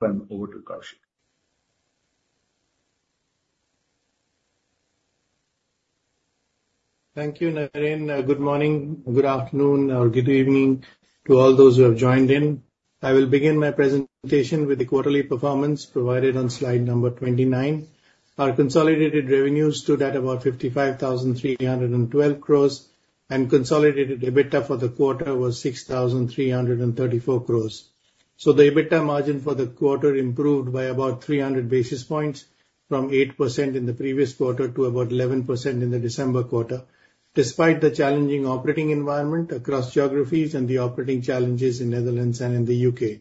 Well, over to Koushik. Thank you, Naren. Good morning, good afternoon, or good evening to all those who have joined in. I will begin my presentation with the quarterly performance provided on slide number 29. Our consolidated revenues stood at about 55,312 crore, and consolidated EBITDA for the quarter was 6,334 crore. The EBITDA margin for the quarter improved by about 300 basis points from 8% in the previous quarter to about 11% in the December quarter, despite the challenging operating environment across geographies and the operating challenges in Netherlands and in the U.K.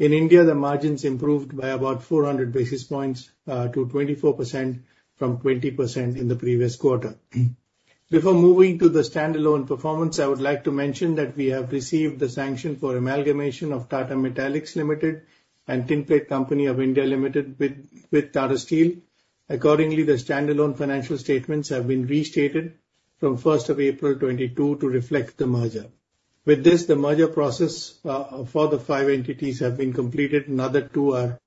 In India, the margins improved by about 400 basis points to 24% from 20% in the previous quarter. Before moving to the standalone performance, I would like to mention that we have received the sanction for amalgamation of Tata Metaliks Limited and Tinplate Company of India Limited with Tata Steel. Accordingly, the standalone financial statements have been restated from April 1st, 2022 to reflect the merger. With this, the merger process for the five entities have been completed, another two are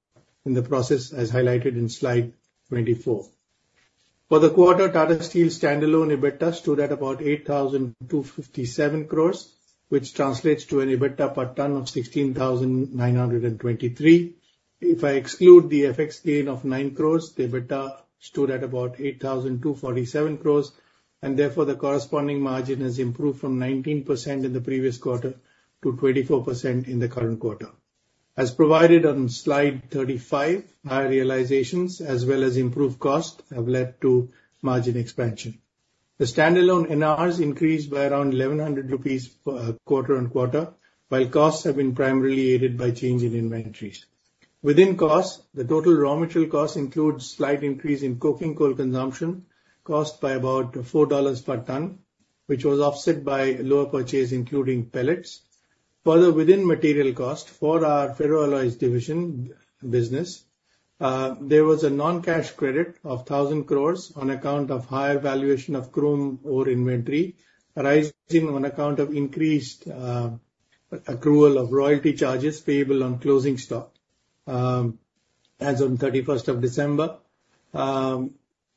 in the process, as highlighted in slide 24. For the quarter, Tata Steel standalone EBITDA stood at about 8,257 crore, which translates to an EBITDA per ton of 16,923. If I exclude the FX gain of 9 crore, the EBITDA stood at about 8,247 crore, and therefore, the corresponding margin has improved from 19% in the previous quarter to 24% in the current quarter. As provided on slide 35, higher realizations as well as improved costs have led to margin expansion. The standalone NR has increased by around 1,100 rupees per quarter-on-quarter, while costs have been primarily aided by change in inventories. Within costs, the total raw material costs includes slight increase in coking coal consumption, cost by about $4 per ton, which was offset by lower purchase, including pellets. Further, within material cost, for our ferroalloys division business, there was a non-cash credit of 1,000 crore on account of higher valuation of chrome ore inventory, rising on account of increased accrual of royalty charges payable on closing stock, as on 31st of December,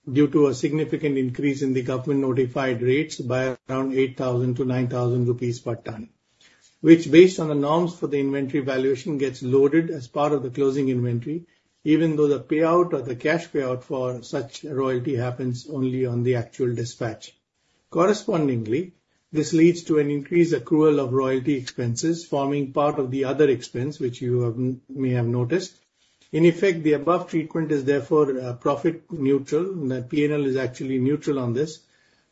due to a significant increase in the government notified rates by around 8,000-9,000 rupees per ton. Which, based on the norms for the inventory valuation, gets loaded as part of the closing inventory, even though the payout or the cash payout for such royalty happens only on the actual dispatch. Correspondingly, this leads to an increased accrual of royalty expenses, forming part of the other expense, which you may have noticed. In effect, the above treatment is therefore, profit neutral. The P&L is actually neutral on this,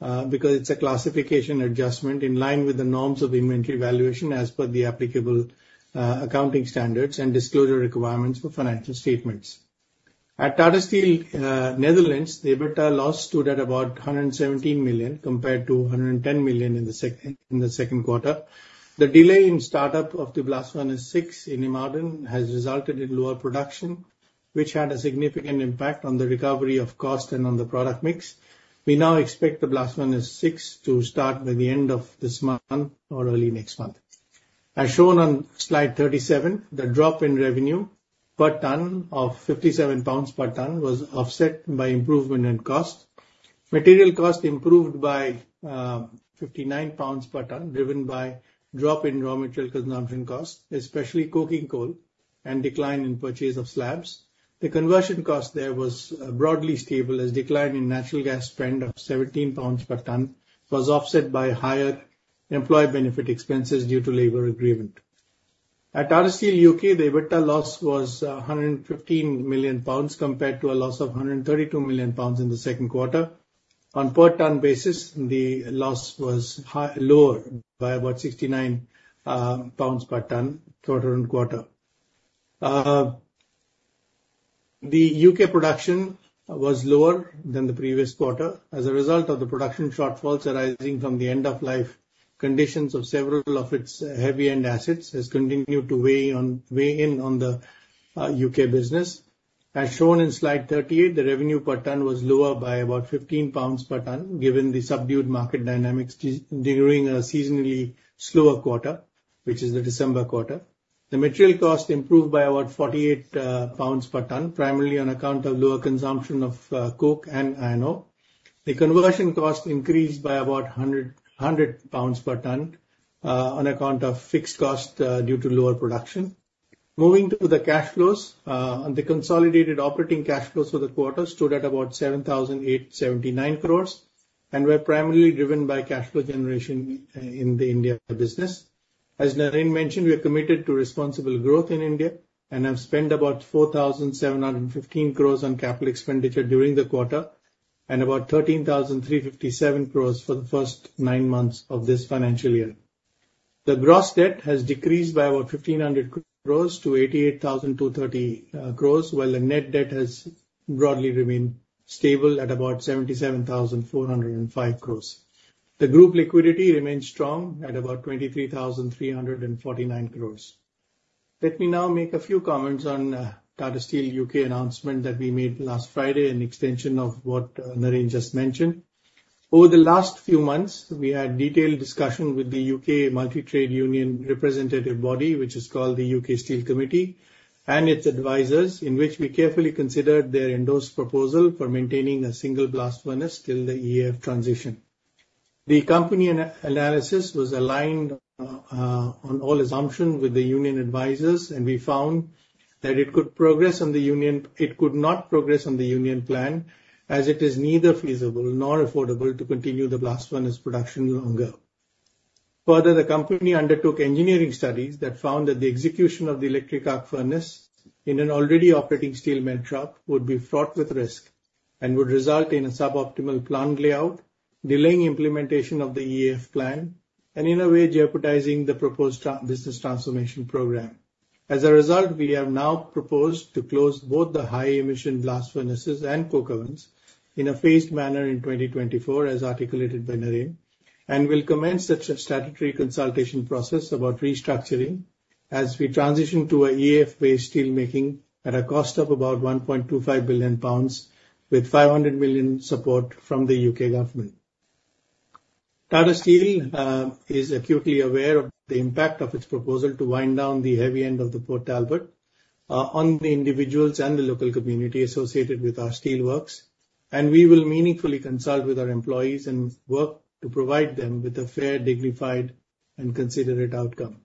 because it's a classification adjustment in line with the norms of inventory valuation as per the applicable, accounting standards and disclosure requirements for financial statements. At Tata Steel Netherlands, the EBITDA loss stood at about 117 million, compared to 110 million in the second quarter. The delay in startup of the Blast Furnace 6 in IJmuiden has resulted in lower production, which had a significant impact on the recovery of cost and on the product mix. We now expect the Blast Furnace 6 to start by the end of this month or early next month. As shown on slide 37, the drop in revenue per ton of 57 pounds per ton was offset by improvement in cost. Material cost improved by 59 pounds per ton, driven by drop in raw material consumption costs, especially coking coal and decline in purchase of slabs. The conversion cost there was broadly stable, as decline in natural gas spend of 17 pounds per ton was offset by higher employee benefit expenses due to labor agreement. At Tata Steel U.K., the EBITDA loss was 115 million pounds, compared to a loss of 132 million pounds in the second quarter. On per ton basis, the loss was high, lower by about 69 pounds per ton, quarter-on-quarter. The U.K. production was lower than the previous quarter as a result of the production shortfalls arising from the end-of-life conditions of several of its heavy-end assets, has continued to weigh on, weigh in on the U.K. business. As shown in slide 38, the revenue per ton was lower by about 15 pounds per ton, given the subdued market dynamics during a seasonally slower quarter, which is the December quarter. The material cost improved by about 48 pounds per ton, primarily on account of lower consumption of coke and iron ore. The conversion cost increased by about 100 pounds per ton on account of fixed cost due to lower production. Moving to the cash flows. The consolidated operating cash flows for the quarter stood at about 7,879 crore, and were primarily driven by cash flow generation in the India business. As Naren mentioned, we are committed to responsible growth in India and have spent about 4,715 crore on capital expenditure during the quarter, and about 13,357 crores for the first nine months of this financial year. The gross debt has decreased by about 1,500 crore to 88,230 crore, while the net debt has broadly remained stable at about 77,405 crore. The group liquidity remains strong at about 23,349 crore. Let me now make a few comments on Tata Steel U.K. announcement that we made last Friday, an extension of what Naren just mentioned.... Over the last few months, we had detailed discussion with the U.K. multi-trade union representative body, which is called the U.K. Steel Committee, and its advisors, in which we carefully considered their endorsed proposal for maintaining a single blast furnace till the year of transition. The company analysis was aligned on all assumptions with the union advisors, and we found that it could not progress on the union plan, as it is neither feasible nor affordable to continue the blast furnace production longer. Further, the company undertook engineering studies that found that the execution of the electric arc furnace in an already operating steel melt shop would be fraught with risk and would result in a suboptimal plant layout, delaying implementation of the EAF plan, and in a way, jeopardizing the proposed transition business transformation program. As a result, we have now proposed to close both the high emission blast furnaces and coke ovens in a phased manner in 2024, as articulated by Naren, and will commence the statutory consultation process about restructuring as we transition to a EAF-based steelmaking at a cost of about 1.25 billion pounds, with 500 million support from the U.K. government. Tata Steel is acutely aware of the impact of its proposal to wind down the heavy end of the Port Talbot on the individuals and the local community associated with our steelworks, and we will meaningfully consult with our employees and work to provide them with a fair, dignified, and considerate outcome.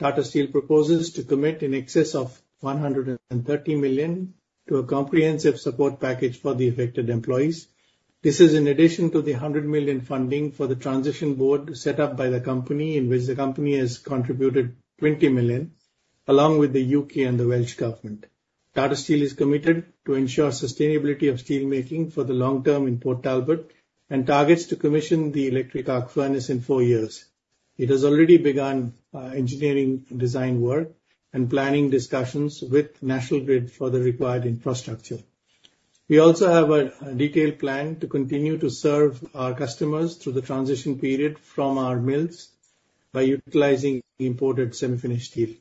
Tata Steel proposes to commit in excess of 130 million to a comprehensive support package for the affected employees. This is in addition to the 100 million funding for the transition board set up by the company, in which the company has contributed 20 million, along with the U.K. and the Welsh government. Tata Steel is committed to ensure sustainability of steelmaking for the long term in Port Talbot, and targets to commission the electric arc furnace in four years. It has already begun engineering, design work, and planning discussions with National Grid for the required infrastructure. We also have a detailed plan to continue to serve our customers through the transition period from our mills by utilizing the imported semi-finished steel.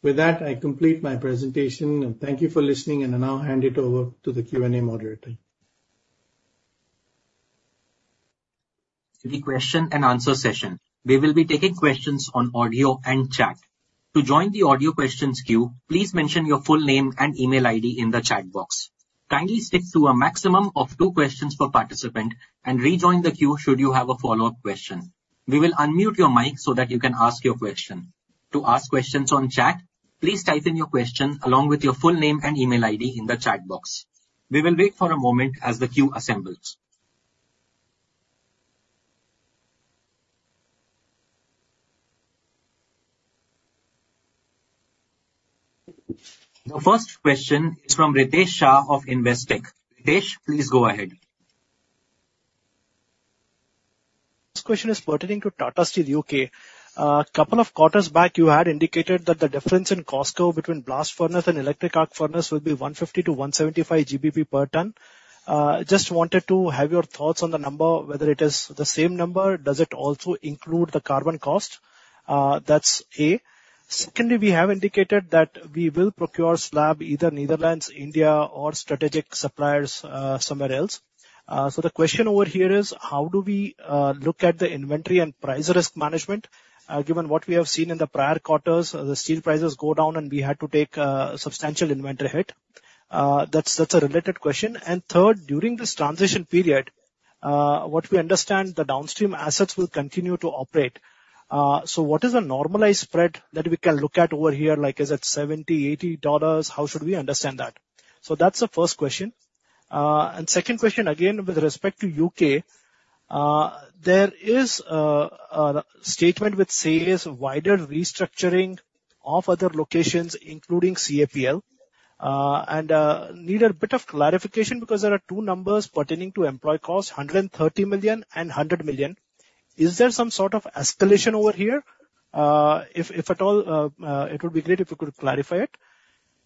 With that, I complete my presentation, and thank you for listening, and I now hand it over to the Q&A moderator. The question and answer session. We will be taking questions on audio and chat. To join the audio questions queue, please mention your full name and email ID in the chat box. Kindly stick to a maximum of two questions per participant, and rejoin the queue should you have a follow-up question. We will unmute your mic so that you can ask your question. To ask questions on chat, please type in your question along with your full name and email ID in the chat box. We will wait for a moment as the queue assembles. The first question is from Ritesh Shah of Investec. Ritesh, please go ahead. This question is pertaining to Tata Steel U.K. A couple of quarters back, you had indicated that the difference in cash cost between blast furnace and electric arc furnace would be 150-175 GBP per ton. Just wanted to have your thoughts on the number, whether it is the same number, does it also include the carbon cost? That's A. Secondly, we have indicated that we will procure slab, either Netherlands, or strategic suppliers, somewhere else. So the question over here is, how do we look at the inventory and price risk management, given what we have seen in the prior quarters, the steel prices go down, and we had to take a substantial inventory hit? That's a related question. And third, during this transition period, what we understand, the downstream assets will continue to operate. So what is the normalized spread that we can look at over here? Like, is it $70-$80? How should we understand that? So that's the first question. And second question, again, with respect to U.K., there is a statement with sales, wider restructuring of other locations, including CAPL, and need a bit of clarification because there are two numbers pertaining to employee costs, 130 million and 100 million. Is there some sort of escalation over here? If, if at all, it would be great if you could clarify it.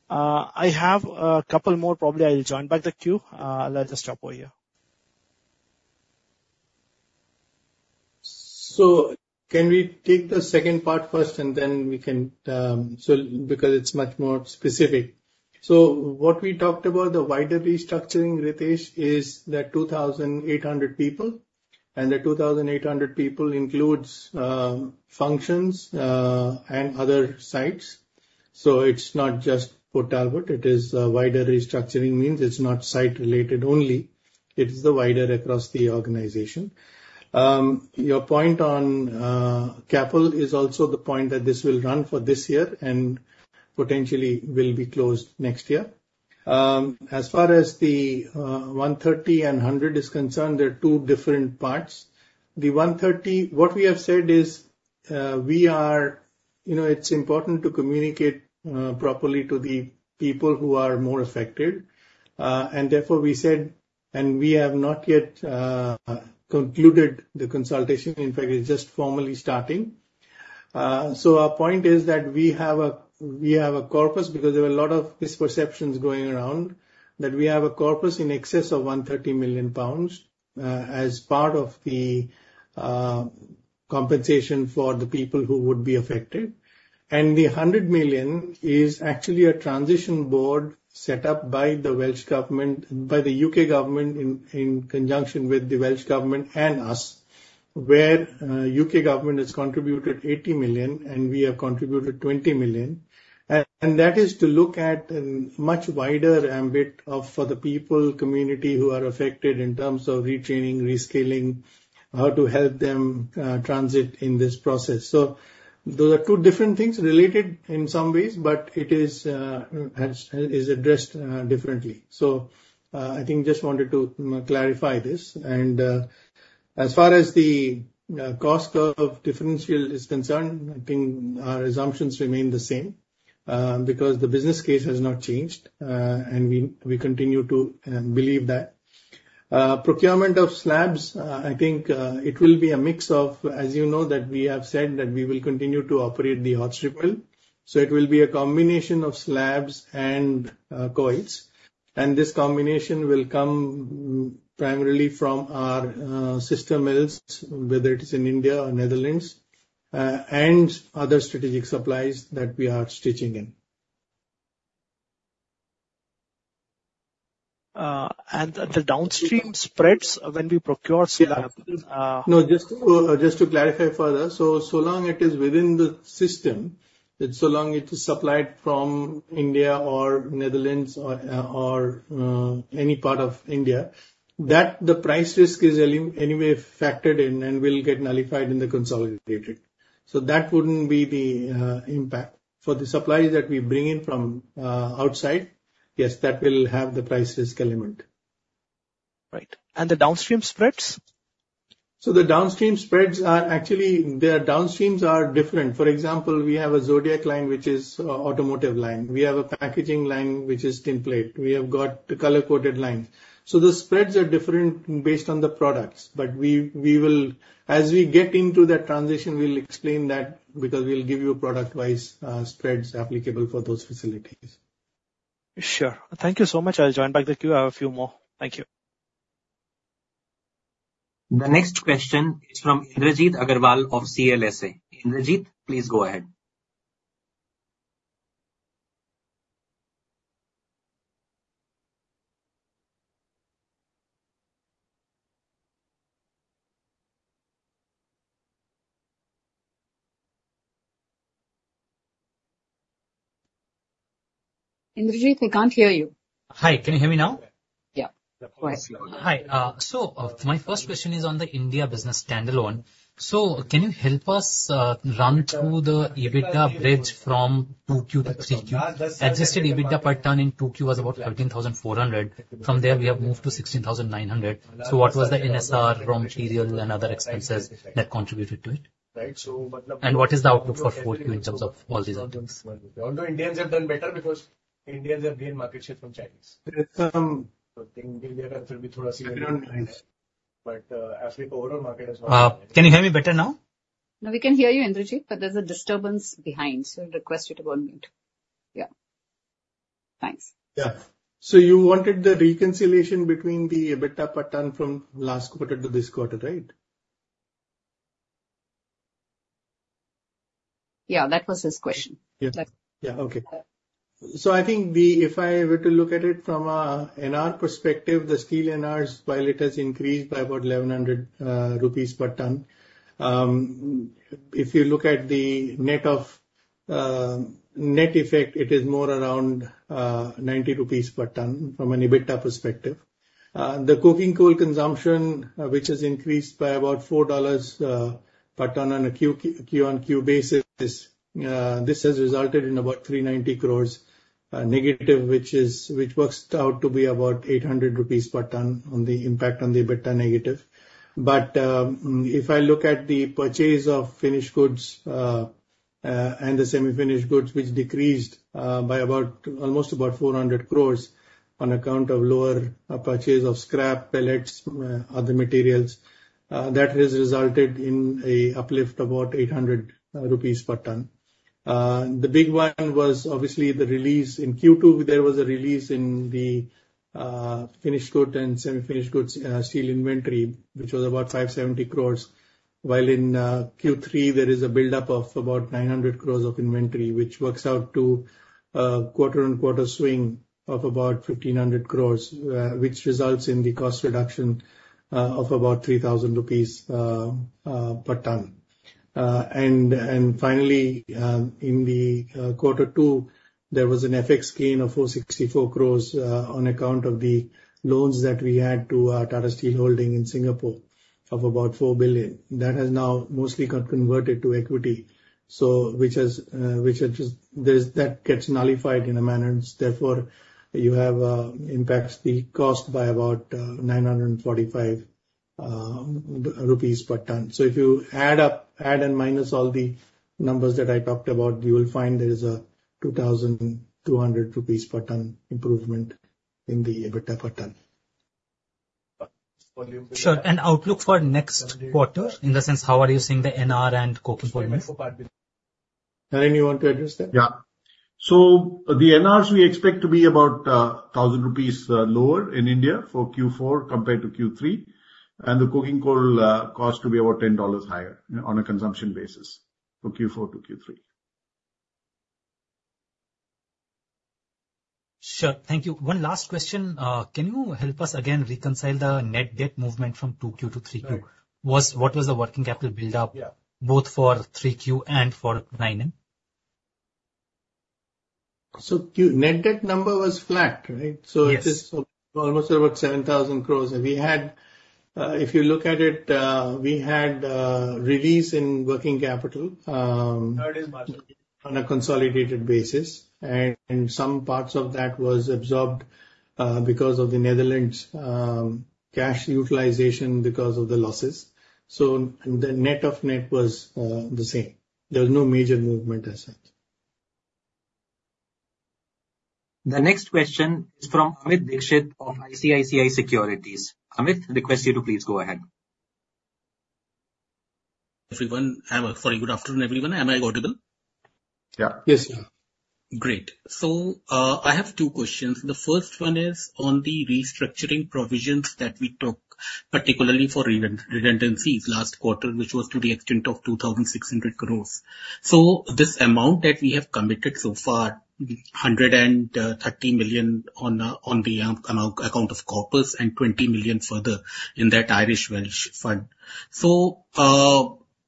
I have a couple more, probably I'll join back the queue. Let's just stop over here. So can we take the second part first, and then we can, so because it's much more specific. So what we talked about, the wider restructuring, Ritesh, is the 2,800 people, and the 2,800 people includes, functions, and other sites. So it's not just Port Talbot, it is a wider restructuring means it's not site-related only, it is the wider across the organization. Your point on CAPL is also the point that this will run for this year and potentially will be closed next year. As far as the 130 and 100 is concerned, there are two different parts. The 130, what we have said is, we are... You know, it's important to communicate, properly to the people who are more affected. And therefore, we said, and we have not yet concluded the consultation. In fact, it's just formally starting. So our point is that we have a, we have a corpus, because there were a lot of misperceptions going around, that we have a corpus in excess of 130 million pounds, as part of the compensation for the people who would be affected. And the 100 million is actually a transition board set up by the Welsh government, by the UK government in conjunction with the Welsh government and us, where U.K. government has contributed 80 million, and we have contributed 20 million. And that is to look at a much wider ambit of for the people, community who are affected in terms of retraining, reskilling, how to help them transit in this process. So those are two different things, related in some ways, but it is, has, is addressed differently. So, I think just wanted to clarify this. And, as far as the, cost of differential is concerned, I think our assumptions remain the same, because the business case has not changed, and we, we continue to believe that. Procurement of slabs, I think, it will be a mix of... As you know, that we have said that we will continue to operate the hot strip mill. So it will be a combination of slabs and, coils, and this combination will come primarily from our, system mills, whether it is in India or Netherlands, and other strategic supplies that we are stitching in. And the downstream spreads when we procure slabs, No, just to, just to clarify further. So, so long it is within the system, and so long it is supplied from India or Netherlands or, or, any part of India, that the price risk is eliminated anyway factored in and will get nullified in the consolidated. So that wouldn't be the, impact. For the supplies that we bring in from, outside, yes, that will have the price risk element. Right. And the downstream spreads? So the downstream spreads are actually, their downstreams are different. For example, we have a Zodiac line, which is automotive line. We have a packaging line, which is tinplate. We have got the color-coated lines. So the spreads are different based on the products, but we, we will, as we get into that transition, we'll explain that because we'll give you product-wise spreads applicable for those facilities. Sure. Thank you so much. I'll join back the queue. I have a few more. Thank you. The next question is from Indrajit Agarwal of CLSA. Indrajit, please go ahead. Indrajit, I can't hear you. Hi, can you hear me now? Yeah. Go ahead. Hi. So, my first question is on the India business standalone. So can you help us run through the EBITDA bridge from 2Q to 3Q? Adjusted EBITDA per ton in 2Q was about 13,400. From there, we have moved to 16,900. So what was the NSR, raw material and other expenses that contributed to it? And what is the outlook for 4Q in terms of all these items? Although Indians have done better because Indians have gained market share from Chinese. There is some... But, Africa overall market has- Can you hear me better now? No, we can hear you, Indrajit, but there's a disturbance behind, so I request you to go on mute. Yeah. Thanks. Yeah. So you wanted the reconciliation between the EBITDA per ton from last quarter to this quarter, right? Yeah, that was his question. Yeah. Yeah. Okay. So I think we, if I were to look at it from a NR perspective, the steel NR, while it has increased by about 1,100 rupees per ton, if you look at the net of, net effect, it is more around 90 rupees per ton from an EBITDA perspective. The coking coal consumption, which has increased by about $4 per ton on a QoQ basis, this has resulted in about 390 crore negative, which works out to be about 800 rupees per ton on the impact on the EBITDA negative. If I look at the purchase of finished goods and the semi-finished goods, which decreased by almost about 400 crore on account of lower purchase of scrap, pellets, other materials, that has resulted in an uplift about 800 rupees per ton. The big one was obviously the release. In Q2, there was a release in the finished goods and semi-finished goods steel inventory, which was about 570 crore, while in Q3, there is a buildup of about 900 crore of inventory, which works out to a quarter-on-quarter swing of about 1,500 crore, which results in the cost reduction of about 3,000 rupees per ton. And finally, in the quarter two, there was an FX gain of 464 crore on account of the loans that we had to Tata Steel Holdings in Singapore of about $4 billion. That has now mostly got converted to equity, so which has just... That gets nullified in a manner, therefore, you have impacts the cost by about 945 rupees per ton. So if you add up, add and minus all the numbers that I talked about, you will find there is a 2,200 rupees per ton improvement in the EBITDA per ton. Sure. Outlook for next quarter, in the sense, how are you seeing the NR and coking points? Naren, you want to address that? Yeah. So the NRs we expect to be about 1,000 rupees lower in India for Q4 compared to Q3, and the coking coal cost to be about $10 higher on a consumption basis for Q4 to Q3. Sure. Thank you. One last question. Can you help us again reconcile the net debt movement from 2Q to 3Q? Right. What was the working capital buildup? Yeah. -both for 3Q and for 9M? So, Q... net debt number was flat, right? Yes. So it is almost about 7,000 crore. And we had, if you look at it, we had release in working capital, on a consolidated basis, and some parts of that was absorbed because of the Netherlands cash utilization because of the losses. So the net of net was the same. There was no major movement as such. The next question is from Amit Dixit of ICICI Securities. Amit, I request you to please go ahead. Sorry, good afternoon, everyone. Am I audible? Yeah. Yes, sir. Great. So, I have two questions. The first one is on the restructuring provisions that we took, particularly for redundancies last quarter, which was to the extent of 2,600 crore. So this amount that we have committed so far, 130 million on account of corpus and 20 million further in that [Irish Welsh fund]. So,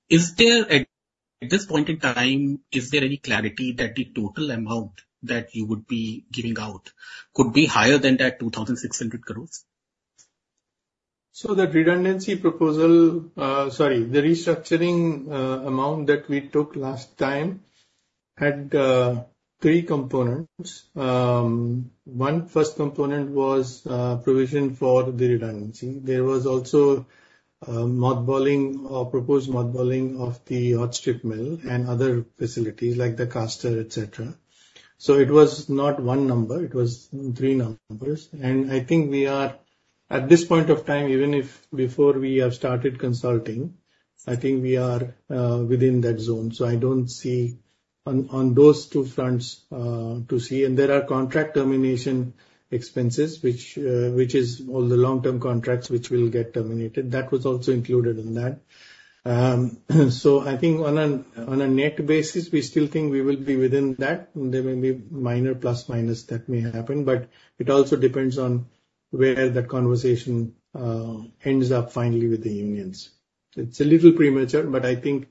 is there at this point in time any clarity that the total amount that you would be giving out could be higher than that 2,600 crore? So the redundancy proposal, sorry, the restructuring amount that we took last time had three components. One first component was provision for the redundancy. There was also mothballing or proposed mothballing of the Hot Strip mill and other facilities, like the caster, et cetera. So it was not one number, it was three numbers. And I think we are, at this point of time, even if before we have started consulting, I think we are within that zone. So I don't see on, on those two fronts, to see. And there are contract termination expenses, which, which is all the long-term contracts which will get terminated. That was also included in that. So I think on a, on a net basis, we still think we will be within that. There may be minor plus, minus, that may happen, but it also depends on where that conversation ends up finally with the unions. It's a little premature, but I think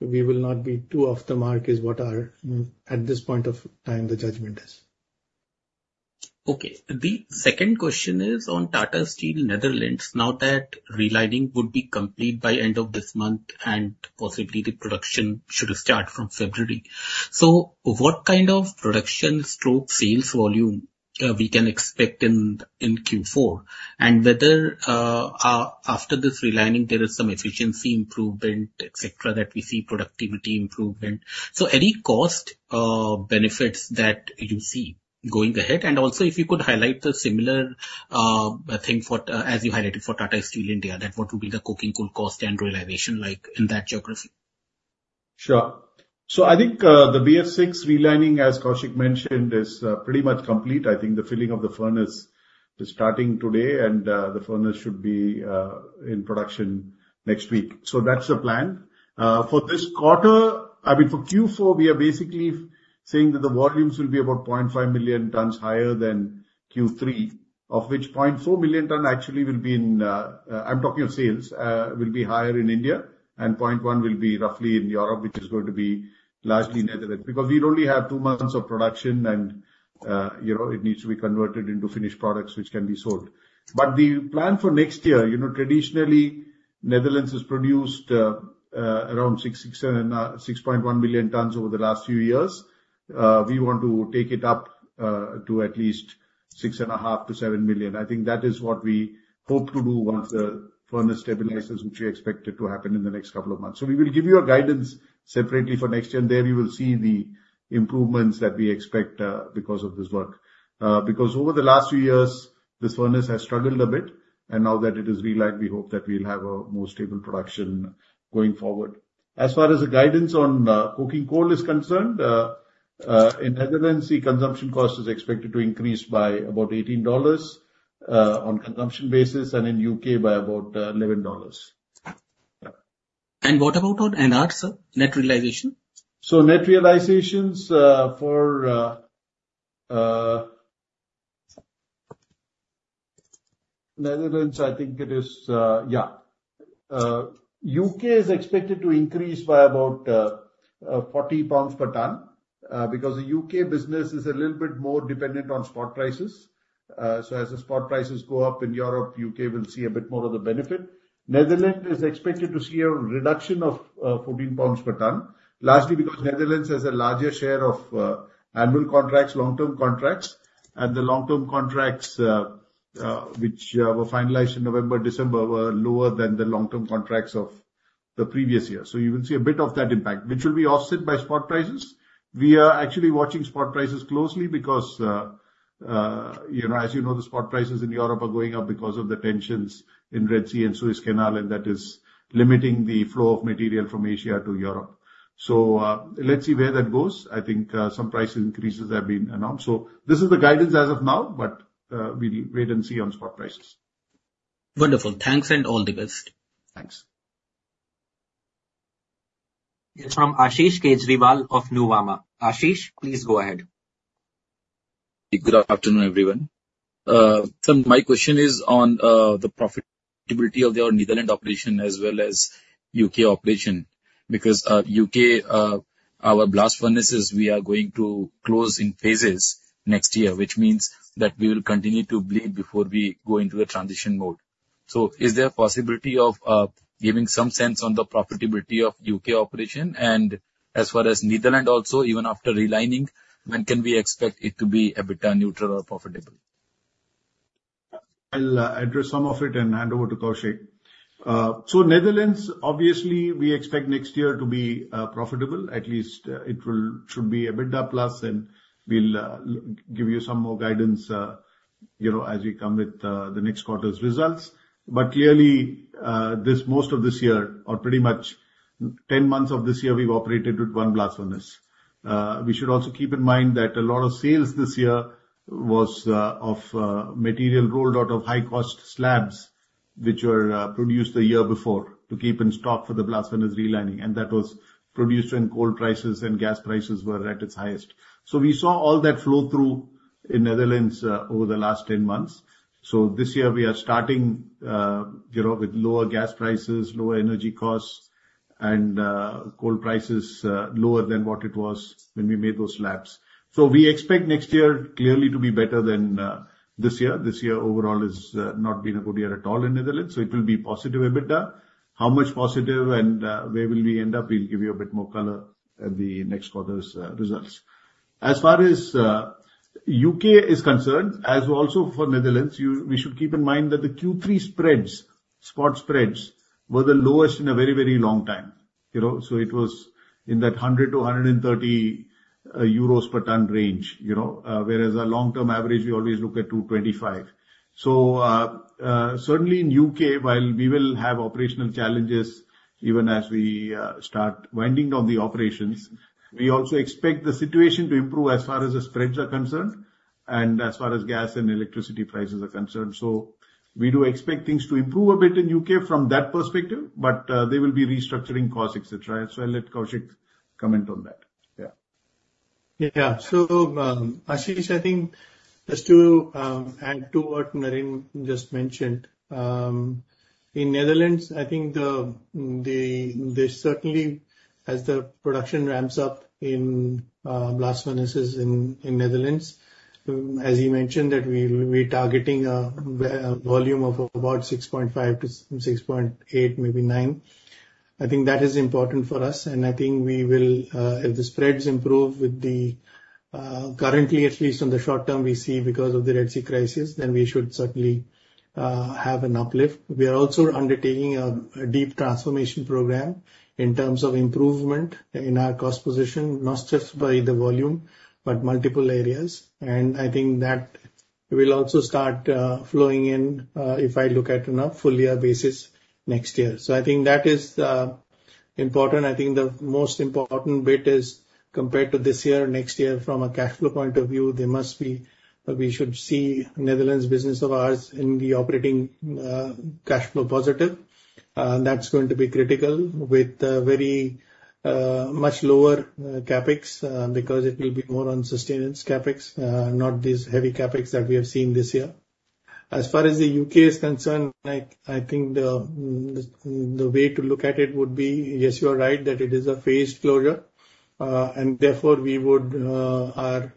we will not be too off the mark, is what our, at this point of time, the judgment is. Okay. The second question is on Tata Steel Netherlands. Now that relining would be complete by end of this month and possibly the production should start from February. So what kind of production/sales volume we can expect in Q4? And whether, after this relining, there is some efficiency improvement, et cetera, that we see productivity improvement. So any cost benefits that you see going ahead? And also, if you could highlight the similar thing for, as you highlighted for Tata Steel India, that what would be the coking coal cost and realization like in that geography. Sure. So I think, the BF6 relining, as Koushik mentioned, is, pretty much complete. I think the filling of the furnace is starting today, and, the furnace should be, in production next week. So that's the plan. For this quarter, I mean, for Q4, we are basically saying that the volumes will be about 0.5 million tons higher than Q3, of which 0.4 million ton actually will be in, I'm talking of sales, will be higher in India, and 0.1 will be roughly in Europe, which is going to be largely Netherlands. Because we only have two months of production, and, you know, it needs to be converted into finished products which can be sold. But the plan for next year, you know, traditionally, Netherlands has produced around 6, 6 million and 6.1 million tons over the last few years. We want to take it up to at least 6.5 million to 7 million. I think that is what we hope to do once the furnace stabilizes, which we expect it to happen in the next couple of months. So we will give you a guidance separately for next year, and there you will see the improvements that we expect because of this work. Because over the last few years, this furnace has struggled a bit, and now that it is relit, we hope that we'll have a more stable production going forward. As far as the guidance on coking coal is concerned, in Netherlands, the consumption cost is expected to increase by about $18 on consumption basis, and in U.K. by about $11. What about on NRs, sir, net realization? So net realizations for Netherlands, I think it is. Yeah, U.K. is expected to increase by about 40 pounds per ton, because the UK business is a little bit more dependent on spot prices. So as the spot prices go up in Europe, U.K. will see a bit more of the benefit. Netherlands is expected to see a reduction of 14 pounds per ton, largely because Netherlands has a larger share of annual contracts, long-term contracts. And the long-term contracts, which were finalized in November, December, were lower than the long-term contracts of the previous year. So you will see a bit of that impact, which will be offset by spot prices. We are actually watching spot prices closely because... You know, as you know, the spot prices in Europe are going up because of the tensions in Red Sea and Suez Canal, and that is limiting the flow of material from Asia to Europe. So, let's see where that goes. I think, some price increases have been announced. So this is the guidance as of now, but, we wait and see on spot prices. Wonderful. Thanks, and all the best. Thanks. From Ashish Kejriwal of Nuvama. Ashish, please go ahead. Good afternoon, everyone. My question is on the profitability of your Netherlands operation as well as U.K. operation. Because, U.K., our blast furnaces, we are going to close in phases next year, which means that we will continue to bleed before we go into a transition mode. Is there a possibility of giving some sense on the profitability of U.K. operation? And as far as Netherlands also, even after relining, when can we expect it to be EBITDA neutral or profitable? I'll address some of it and hand over to Koushik. So Netherlands, obviously, we expect next year to be profitable. At least, it should be EBITDA plus, and we'll give you some more guidance, you know, as we come with the next quarter's results. But clearly, this, most of this year, or pretty much 10 months of this year, we've operated with 1 blast furnace. We should also keep in mind that a lot of sales this year was of material rolled out of high-cost slabs, which were produced the year before, to keep in stock for the blast furnace relining. And that was produced when coal prices and gas prices were at its highest. So we saw all that flow through in Netherlands over the last 10 months. So this year we are starting, you know, with lower gas prices, lower energy costs, and, coal prices, lower than what it was when we made those slabs. So we expect next year clearly to be better than, this year. This year overall has, not been a good year at all in Netherlands, so it will be positive EBITDA. How much positive and, where will we end up? We'll give you a bit more color at the next quarter's, results. As far as, U.K. is concerned, as also for Netherlands, we should keep in mind that the Q3 spreads, spot spreads, were the lowest in a very, very long time. You know? So it was in that 100-130 euros per ton range, you know, whereas our long-term average, we always look at 225. Certainly in UK, while we will have operational challenges even as we start winding down the operations, we also expect the situation to improve as far as the spreads are concerned and as far as gas and electricity prices are concerned. We do expect things to improve a bit in U.K. from that perspective, but there will be restructuring costs, et cetera. I'll let Koushik comment on that. Yeah. Yeah. So, Ashish, I think just to add to what Naren just mentioned, in Netherlands, I think they certainly, as the production ramps up in blast furnaces in Netherlands, as you mentioned, that we're targeting a volume of about 6.5-6.8, maybe 9. I think that is important for us, and I think we will, if the spreads improve with the currently, at least in the short term, we see because of the Red Sea crisis, then we should certainly have an uplift. We are also undertaking a deep transformation program in terms of improvement in our cost position, not just by the volume, but multiple areas, and I think that will also start flowing in, if I look at on a full year basis next year. So I think that is important. I think the most important bit is, compared to this year, next year, from a cash flow point of view, there must be, we should see Netherlands business of ours in the operating cash flow positive. That's going to be critical with very much lower CapEx, because it will be more on sustenance CapEx, not these heavy CapEx that we have seen this year. As far as the U.K. is concerned, I think the way to look at it would be, yes, you are right, that it is a phased closure. And therefore, we would our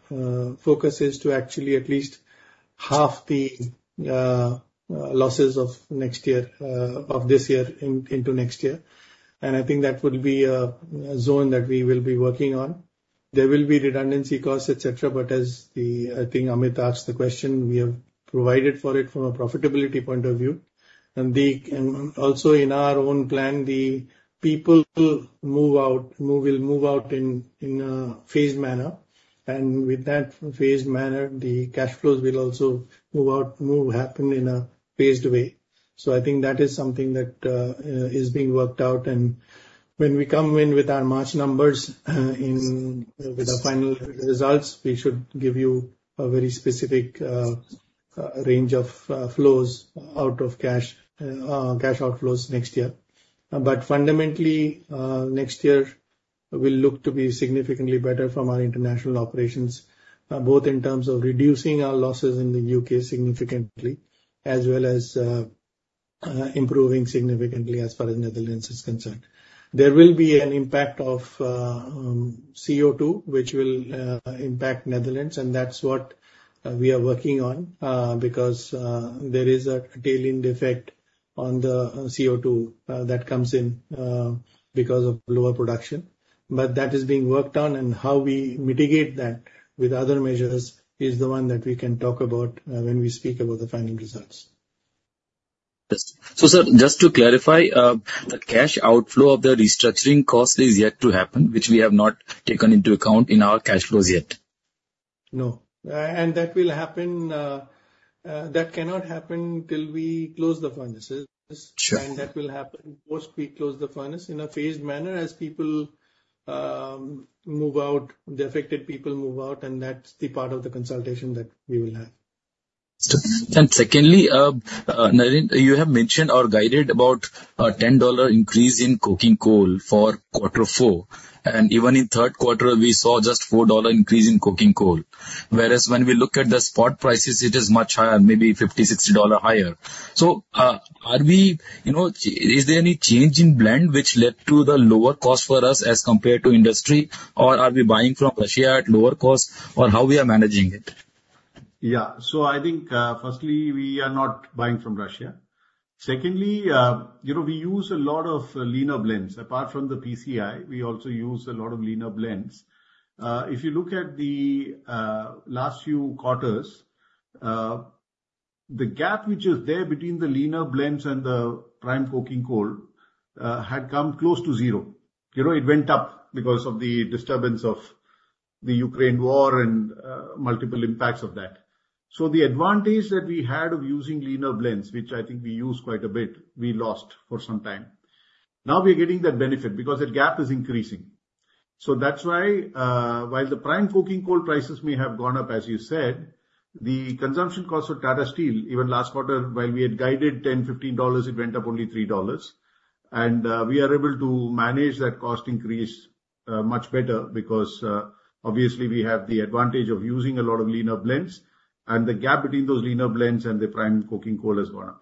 focus is to actually at least half the losses of next year, of this year into next year. And I think that would be a zone that we will be working on. There will be redundancy costs, et cetera, but as the, I think Amit asked the question, we have provided for it from a profitability point of view. And also in our own plan, the people will move out, will move out in a phased manner. And with that phased manner, the cash flows will also move out, happen in a phased way. So I think that is something that is being worked out. And when we come in with our March numbers, with the final results, we should give you a very specific range of cash flows out, cash outflows next year. But fundamentally, next year will look to be significantly better from our international operations, both in terms of reducing our losses in the U.K. significantly, as well as improving significantly as far as Netherlands is concerned. There will be an impact of CO2, which will impact Netherlands, and that's what we are working on, because there is a tail end effect on the CO2 that comes in because of lower production. But that is being worked on, and how we mitigate that with other measures is the one that we can talk about when we speak about the final results. Yes. So, sir, just to clarify, the cash outflow of the restructuring cost is yet to happen, which we have not taken into account in our cash flows yet? No. And that will happen. That cannot happen till we close the furnaces. Sure. That will happen once we close the furnace in a phased manner, as people move out, the affected people move out, and that's the part of the consultation that we will have. And secondly, Naren, you have mentioned or guided about a $10 increase in coking coal for quarter four, and even in third quarter we saw just $4 increase in coking coal. Whereas when we look at the spot prices, it is much higher, maybe $50-$60 higher. So, are we, you know, is there any change in blend which led to the lower cost for us as compared to industry? Or are we buying from Russia at lower cost, or how we are managing it? Yeah. So I think, firstly, we are not buying from Russia. Secondly, you know, we use a lot of leaner blends. Apart from the PCI, we also use a lot of leaner blends. If you look at the last few quarters, the gap which is there between the leaner blends and the prime coking coal had come close to zero. You know, it went up because of the disturbance of the Ukraine war and multiple impacts of that. So the advantage that we had of using leaner blends, which I think we used quite a bit, we lost for some time. Now we're getting that benefit because the gap is increasing. So that's why, while the prime coking coal prices may have gone up, as you said, the consumption costs of Tata Steel, even last quarter, while we had guided $10-$15, it went up only $3. We are able to manage that cost increase much better because, obviously we have the advantage of using a lot of leaner blends, and the gap between those leaner blends and the prime coking coal has gone up.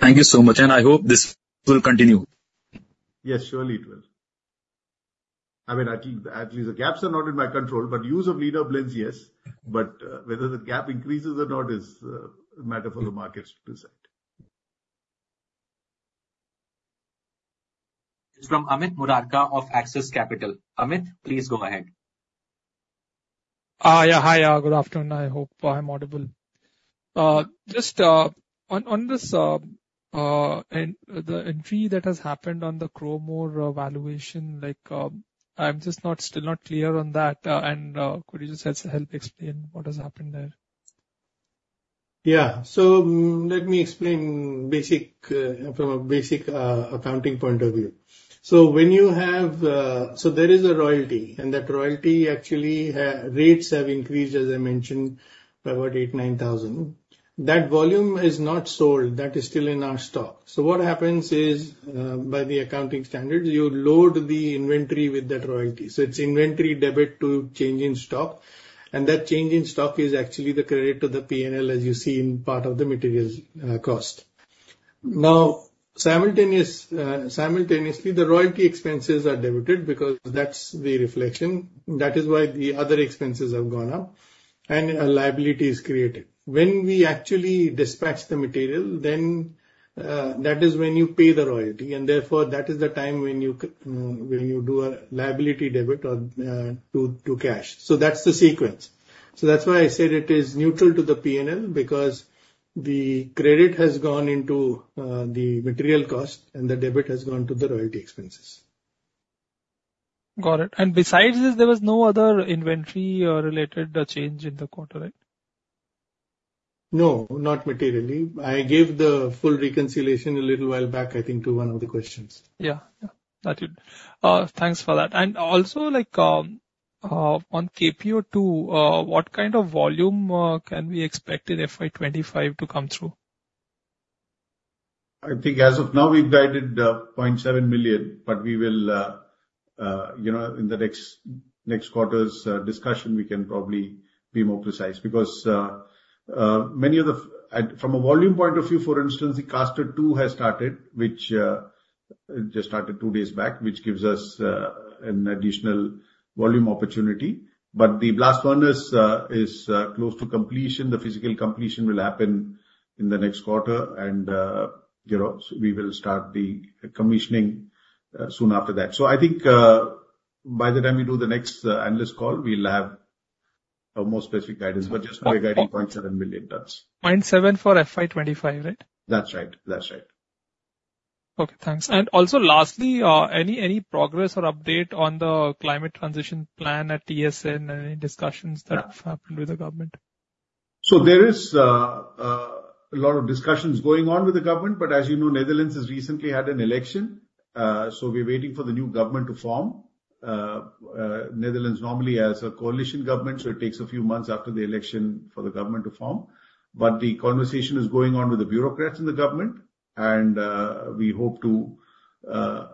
Thank you so much, and I hope this will continue. Yes, surely it will. I mean, I think at least the gaps are not in my control, but use of leaner blends, yes. But, whether the gap increases or not is, a matter for the markets to decide. From Amit Murarka of Axis Capital. Amit, please go ahead. Yeah. Hi, good afternoon. I hope I'm audible. Just on this in the entry that has happened on the chrome ore valuation, like, I'm just not still not clear on that. And could you just help explain what has happened there? Yeah. So let me explain basic from a basic accounting point of view. So when you have... So there is a royalty, and that royalty actually rates have increased, as I mentioned, by about 8,000-9,000. That volume is not sold, that is still in our stock. So what happens is, by the accounting standards, you load the inventory with that royalty. So it's inventory debit to change in stock, and that change in stock is actually the credit to the P&L, as you see in part of the materials cost. Now, simultaneously, the royalty expenses are debited because that's the reflection. That is why the other expenses have gone up, and a liability is created. When we actually dispatch the material, then, that is when you pay the royalty, and therefore, that is the time when you do a liability debit on to cash. So that's the sequence. So that's why I said it is neutral to the P&L, because the credit has gone into the material cost and the debit has gone to the royalty expenses. Got it. Besides this, there was no other inventory or related change in the quarter, right? No, not materially. I gave the full reconciliation a little while back, I think, to one of the questions. Yeah, yeah. That's it. Thanks for that. And also, like, on KPO 2, what kind of volume can we expect in FY 2025 to come through? I think as of now, we've guided 0.7 million, but we will, you know, in the next quarter's discussion, we can probably be more precise. Because many of the... From a volume point of view, for instance, the Caster 2 has started, which just started two days back, which gives us an additional volume opportunity. But the blast furnace is close to completion. The physical completion will happen in the next quarter, and you know, we will start the commissioning soon after that. So I think by the time we do the next analyst call, we'll have a more specific guidance. Okay. Just now we're guiding 0.7 million tons. 0.7 for FY 2025, right? That's right. That's right. Okay, thanks. And also, lastly, any, any progress or update on the climate transition plan at TSN? Any discussions that have happened with the government? So there is a lot of discussions going on with the government, but as you know, Netherlands has recently had an election, so we're waiting for the new government to form. Netherlands normally has a coalition government, so it takes a few months after the election for the government to form. But the conversation is going on with the bureaucrats in the government, and we hope to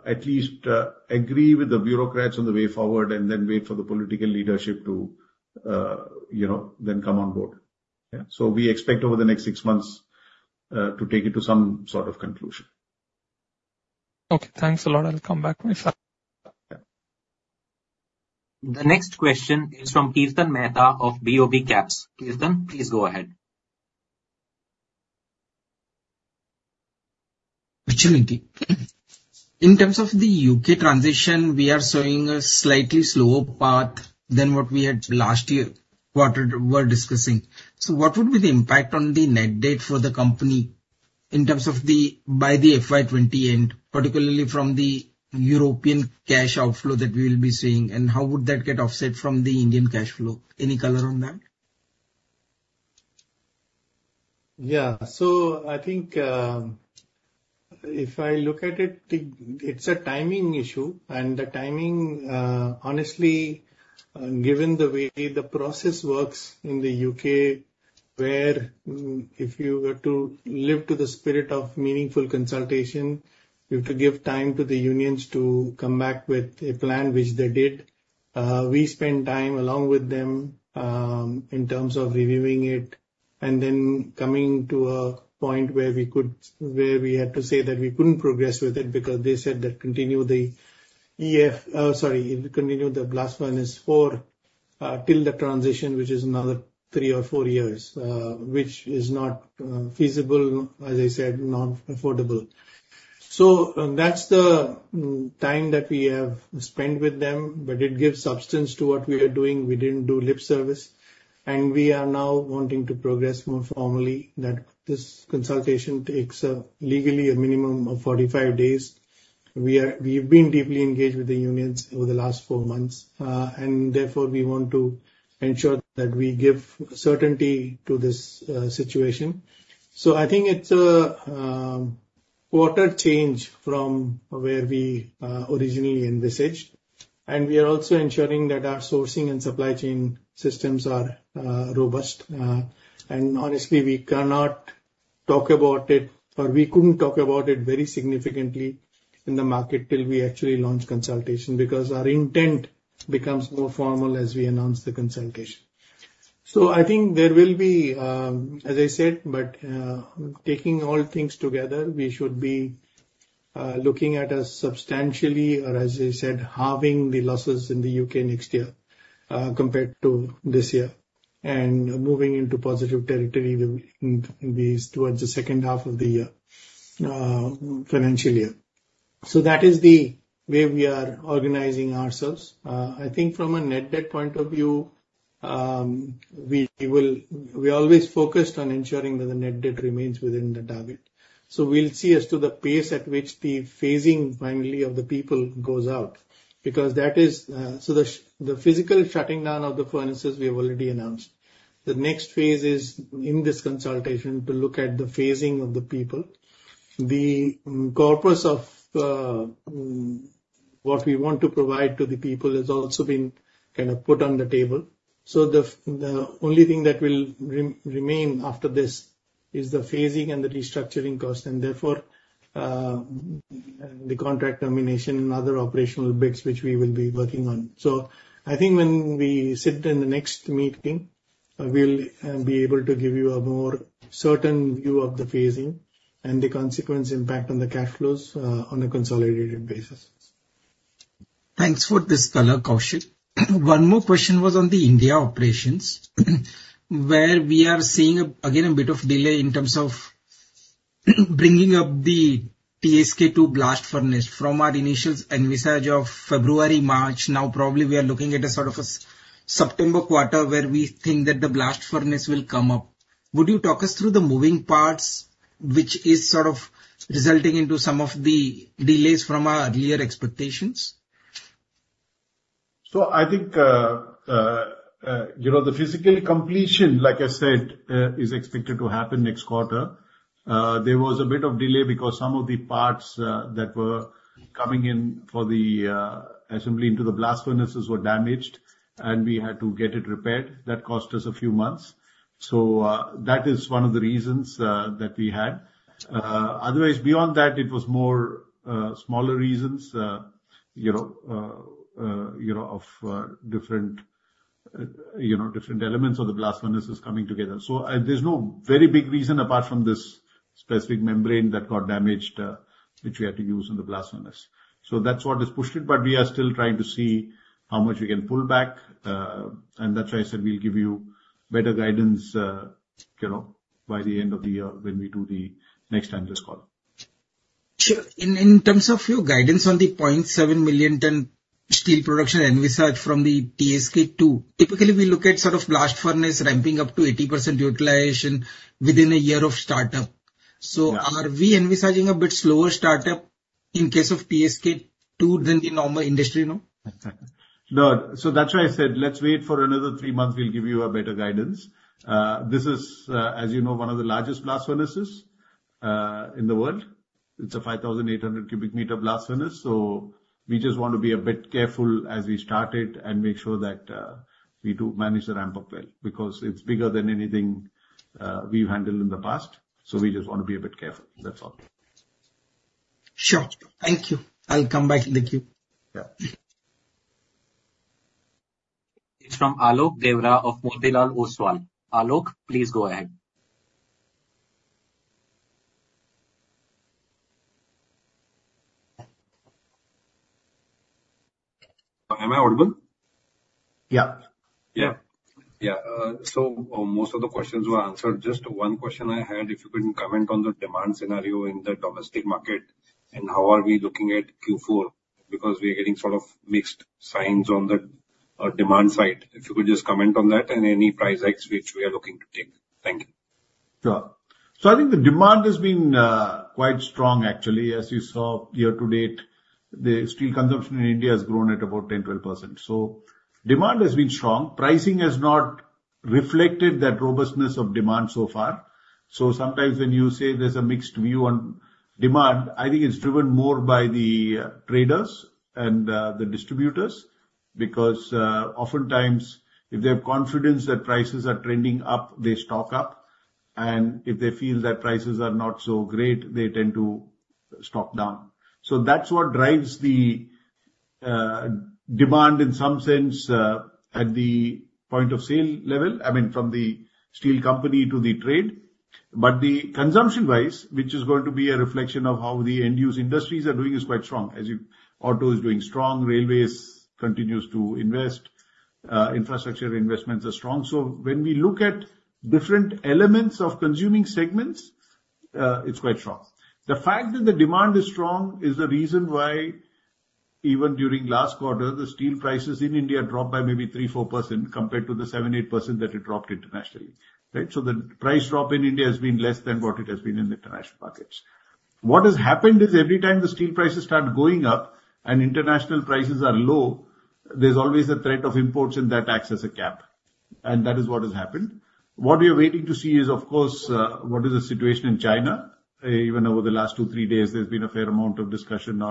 at least agree with the bureaucrats on the way forward and then wait for the political leadership to you know then come on board. Yeah. So we expect over the next six months to take it to some sort of conclusion. Okay, thanks a lot. I'll come back if... Yeah. The next question is from Kirtan Mehta of BOB Caps. Kirtan, please go ahead. ... opportunity. In terms of the U.K. transition, we are seeing a slightly slower path than what we had last year quarter, were discussing. So what would be the impact on the net debt for the company in terms of the, by the FY 2020 end, particularly from the European cash outflow that we will be seeing? And how would that get offset from the Indian cash flow? Any color on that? Yeah. So I think, if I look at it, it's a timing issue. And the timing, honestly, given the way the process works in the U.K., where, if you were to adhere to the spirit of meaningful consultation, you have to give time to the unions to come back with a plan, which they did. We spent time along with them, in terms of reviewing it and then coming to a point where we could - where we had to say that we couldn't progress with it because they said that continue the Blast Furnace 4 till the transition, which is another three or four years, which is not feasible, as I said, non-affordable. So that's the time that we have spent with them, but it gives substance to what we are doing. We didn't do lip service. We are now wanting to progress more formally, that this consultation takes legally a minimum of 45 days. We've been deeply engaged with the unions over the last 4 months, and therefore we want to ensure that we give certainty to this situation. I think it's a quarter change from where we originally envisaged, and we are also ensuring that our sourcing and supply chain systems are robust. Honestly, we cannot talk about it, or we couldn't talk about it very significantly in the market till we actually launch consultation, because our intent becomes more formal as we announce the consultation. So I think there will be, as I said, but, taking all things together, we should be, looking at a substantially or, as I said, halving the losses in the U.K. next year, compared to this year. And moving into positive territory in these, towards the second half of the year, financial year. So that is the way we are organizing ourselves. I think from a net debt point of view, we will... We always focused on ensuring that the net debt remains within the target. So we'll see as to the pace at which the phasing, mainly of the people, goes out, because that is... So the physical shutting down of the furnaces we have already announced. The next phase is in this consultation to look at the phasing of the people. The corpus of what we want to provide to the people has also been kind of put on the table. So the only thing that will remain after this is the phasing and the restructuring cost, and therefore, the contract termination and other operational bits which we will be working on. So I think when we sit in the next meeting, we'll be able to give you a more certain view of the phasing and the consequence impact on the cash flows, on a consolidated basis. Thanks for this color, Koushik. One more question was on the India operations, where we are seeing, again, a bit of delay in terms of bringing up the TSK 2 blast furnace. From our initial envisage of February, March, now probably we are looking at a sort of a September quarter, where we think that the blast furnace will come up. Would you talk us through the moving parts, which is sort of resulting into some of the delays from our earlier expectations? So I think, you know, the physical completion, like I said, is expected to happen next quarter. There was a bit of delay because some of the parts that were coming in for the assembly into the blast furnaces were damaged, and we had to get it repaired. That cost us a few months. So, that is one of the reasons that we had. Otherwise, beyond that, it was more smaller reasons, you know, you know, of different, you know, different elements of the blast furnaces coming together. So, there's no very big reason apart from this specific membrane that got damaged, which we had to use in the blast furnace. So that's what has pushed it, but we are still trying to see how much we can pull back. That's why I said we'll give you better guidance, you know, by the end of the year when we do the next analyst call. Sure. In terms of your guidance on the 0.7 million ton steel production envisaged from the TSK 2, typically we look at sort of blast furnace ramping up to 80% utilization within a year of startup. Yeah. Are we envisaging a bit slower startup in case of TSK 2 than the normal industry now? No. So that's why I said, let's wait for another three months, we'll give you a better guidance. This is, as you know, one of the largest blast furnaces in the world. It's a 5,800 cubic meter blast furnace, so we just want to be a bit careful as we start it and make sure that we do manage the ramp-up well, because it's bigger than anything we've handled in the past, so we just want to be a bit careful, that's all. Sure. Thank you. I'll come back in the queue. Yeah. It's from Alok Deora of Motilal Oswal. Alok, please go ahead. Am I audible? Yeah. Yeah. Yeah, so, most of the questions were answered. Just one question I had, if you can comment on the demand scenario in the domestic market, and how are we looking at Q4? Because we are getting sort of mixed signs on the demand side. If you could just comment on that and any price hikes which we are looking to take. Thank you. Sure. So I think the demand has been quite strong actually. As you saw year to date, the steel consumption in India has grown at about 10%-12%. So demand has been strong. Pricing has not reflected that robustness of demand so far. So sometimes when you say there's a mixed view on demand, I think it's driven more by the traders and the distributors, because oftentimes if they have confidence that prices are trending up, they stock up, and if they feel that prices are not so great, they tend to stock down. So that's what drives the demand in some sense at the point of sale level, I mean, from the steel company to the trade. But the consumption-wise, which is going to be a reflection of how the end-use industries are doing, is quite strong. As you... Auto is doing strong, railways continues to invest, infrastructure investments are strong. So when we look at different elements of consuming segments, it's quite strong. The fact that the demand is strong is the reason why even during last quarter, the steel prices in India dropped by maybe 3%-4%, compared to the 7%-8% that it dropped internationally. Right? So the price drop in India has been less than what it has been in the international markets. What has happened is every time the steel prices start going up and international prices are low, there's always a threat of imports, and that acts as a gap, and that is what has happened. What we are waiting to see is, of course, what is the situation in China. Even over the last two to three days, there's been a fair amount of discussion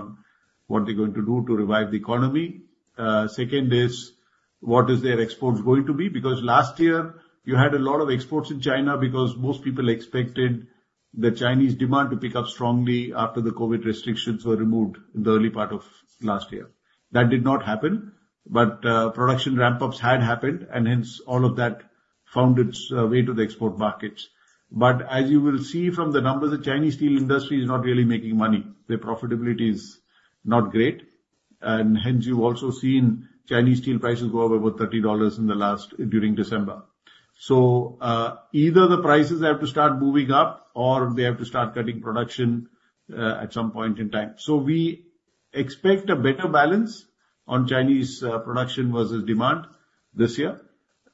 on what they're going to do to revive the economy. Second is, what is their exports going to be? Because last year you had a lot of exports in China because most people expected the Chinese demand to pick up strongly after the COVID restrictions were removed in the early part of last year. That did not happen, but production ramp-ups had happened, and hence all of that found its way to the export markets. But as you will see from the numbers, the Chinese steel industry is not really making money. Their profitability is not great, and hence you've also seen Chinese steel prices go up about $30 in the last during December. So, either the prices have to start moving up or they have to start cutting production at some point in time. So we expect a better balance on Chinese production versus demand this year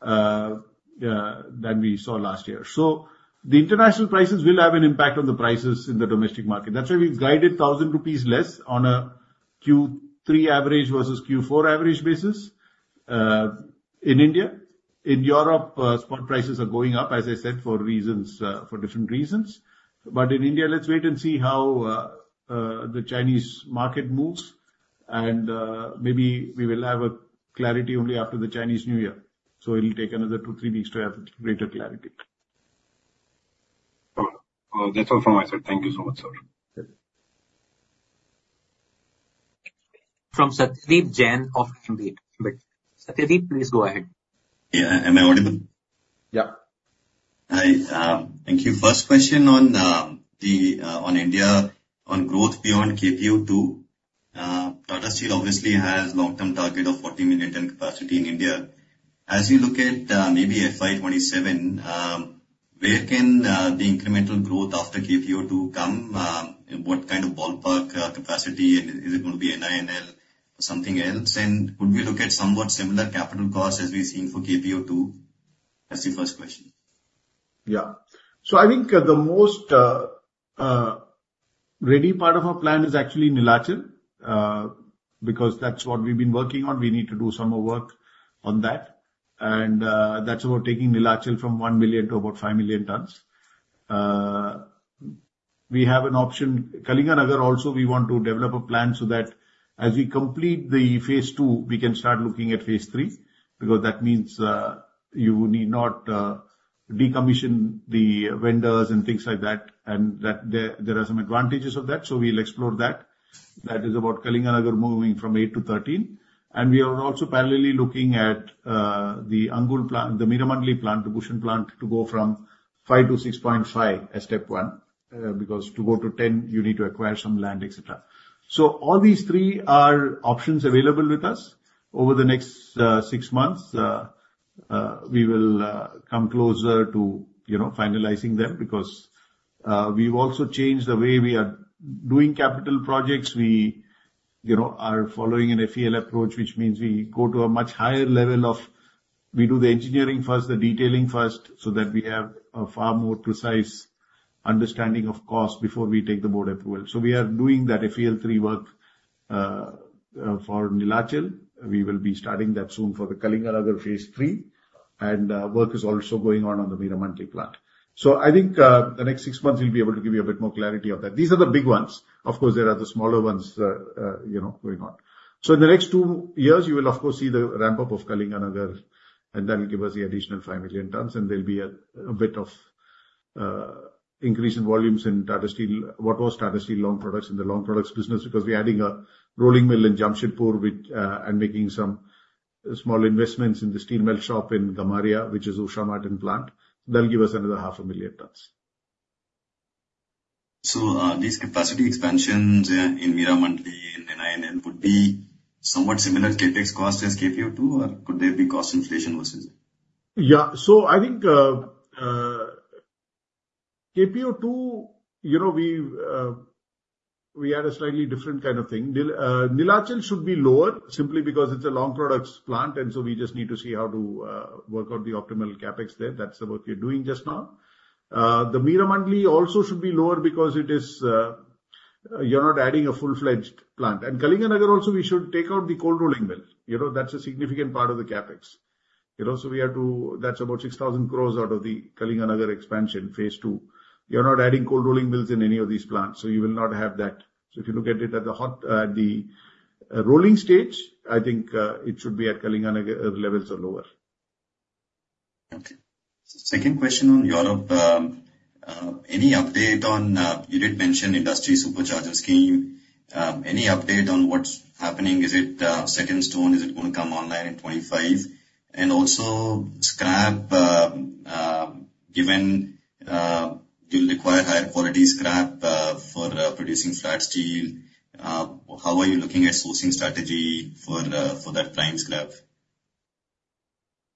than we saw last year. So the international prices will have an impact on the prices in the domestic market. That's why we've guided 1,000 rupees less on a Q3 average versus Q4 average basis in India. In Europe, spot prices are going up, as I said, for different reasons. But in India, let's wait and see how the Chinese market moves, and maybe we will have clarity only after the Chinese New Year. So it'll take another two, three weeks to have greater clarity. That's all from my side. Thank you so much, sir. Okay. From Satyadeep Jain of Ambit Capital. Satdeep, please go ahead. Yeah. Am I audible? Yeah. Hi, thank you. First question on India, on growth beyond KPO 2. Tata Steel obviously has long-term target of 40 million ton capacity in India. As you look at maybe FY 2027, where can the incremental growth after KPO 2 come? And what kind of ballpark capacity, and is it going to be NINL or something else? And would we look at somewhat similar capital costs as we've seen for KPO 2? That's the first question. Yeah. So I think the most ready part of our plan is actually Neelachal, because that's what we've been working on. We need to do some more work on that, and that's about taking Neelachal from 1 million to about 5 million tons. We have an option, Kalinganagar also, we want to develop a plan so that as we complete the phase two, we can start looking at phase three, because that means you need not decommission the vendors and things like that, and that there are some advantages of that. So we'll explore that. That is about Kalinganagar moving from eight to 13. We are also parallelly looking at the Angul plant, the Meramandali plant, the Bhushan plant, to go from 5 to 6.5 as step one, because to go to 10, you need to acquire some land, et cetera. So all these three are options available with us. Over the next six months, we will come closer to, you know, finalizing them, because we've also changed the way we are doing capital projects. We, you know, are following an FEL approach, which means we go to a much higher level of... We do the engineering first, the detailing first, so that we have a far more precise understanding of cost before we take the board approval. So we are doing that FEL3 work for Neelachal. We will be starting that soon for the Kalinganagar phase three. Work is also going on on the Meramandali plant. So I think the next six months we'll be able to give you a bit more clarity on that. These are the big ones. Of course, there are the smaller ones, you know, going on. So in the next two years, you will of course see the ramp-up of Kalinganagar, and that will give us the additional 5 million tons, and there'll be a bit of increase in volumes in Tata Steel, what was Tata Steel Long Products in the Long Products business, because we're adding a rolling mill in Jamshedpur, which and making some small investments in the steel mill shop in Gamharia, which is Usha Martin plant. That'll give us another 500,000 tons. So, these capacity expansions in Meramandali and NIN would be somewhat similar CapEx costs as KPO 2, or could there be cost inflation versus it? Yeah. So I think, KPO 2, you know, we've, we had a slightly different kind of thing. Nil, Neelachal should be lower simply because it's a long products plant, and so we just need to see how to, work out the optimal CapEx there. That's the work we are doing just now. The Meramandali also should be lower because it is, you're not adding a full-fledged plant. And Kalinganagar also, we should take out the cold rolling mill. You know, that's a significant part of the CapEx. It also we have to... That's about 6,000 crore out of the Kalinganagar expansion, phase two. You're not adding cold rolling mills in any of these plants, so you will not have that. So if you look at it at the hot rolling stage, I think, it should be at Kalinganagar levels or lower. Okay. Second question on Europe. Any update on the British Industry Supercharger scheme you did mention. Any update on what's happening? Is the second tranche going to come online in 2025? And also scrap, given you'll require higher quality scrap for producing flat steel, how are you looking at sourcing strategy for that prime scrap?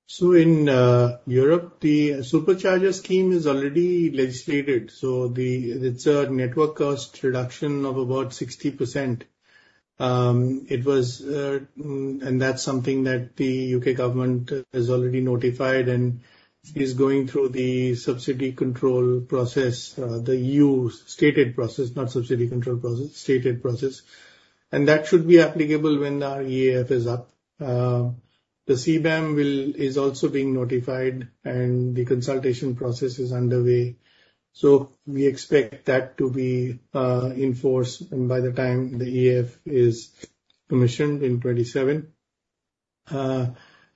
So in Europe, the Supercharger scheme is already legislated, so it's a network cost reduction of about 60%. It was and that's something that the U.K. government has already notified and is going through the subsidy control process, the E.U.'s stated process, not subsidy control process, stated process. And that should be applicable when our EAF is up. The CBAM is also being notified, and the consultation process is underway. So we expect that to be in force, and by the time the EAF is commissioned in 2027.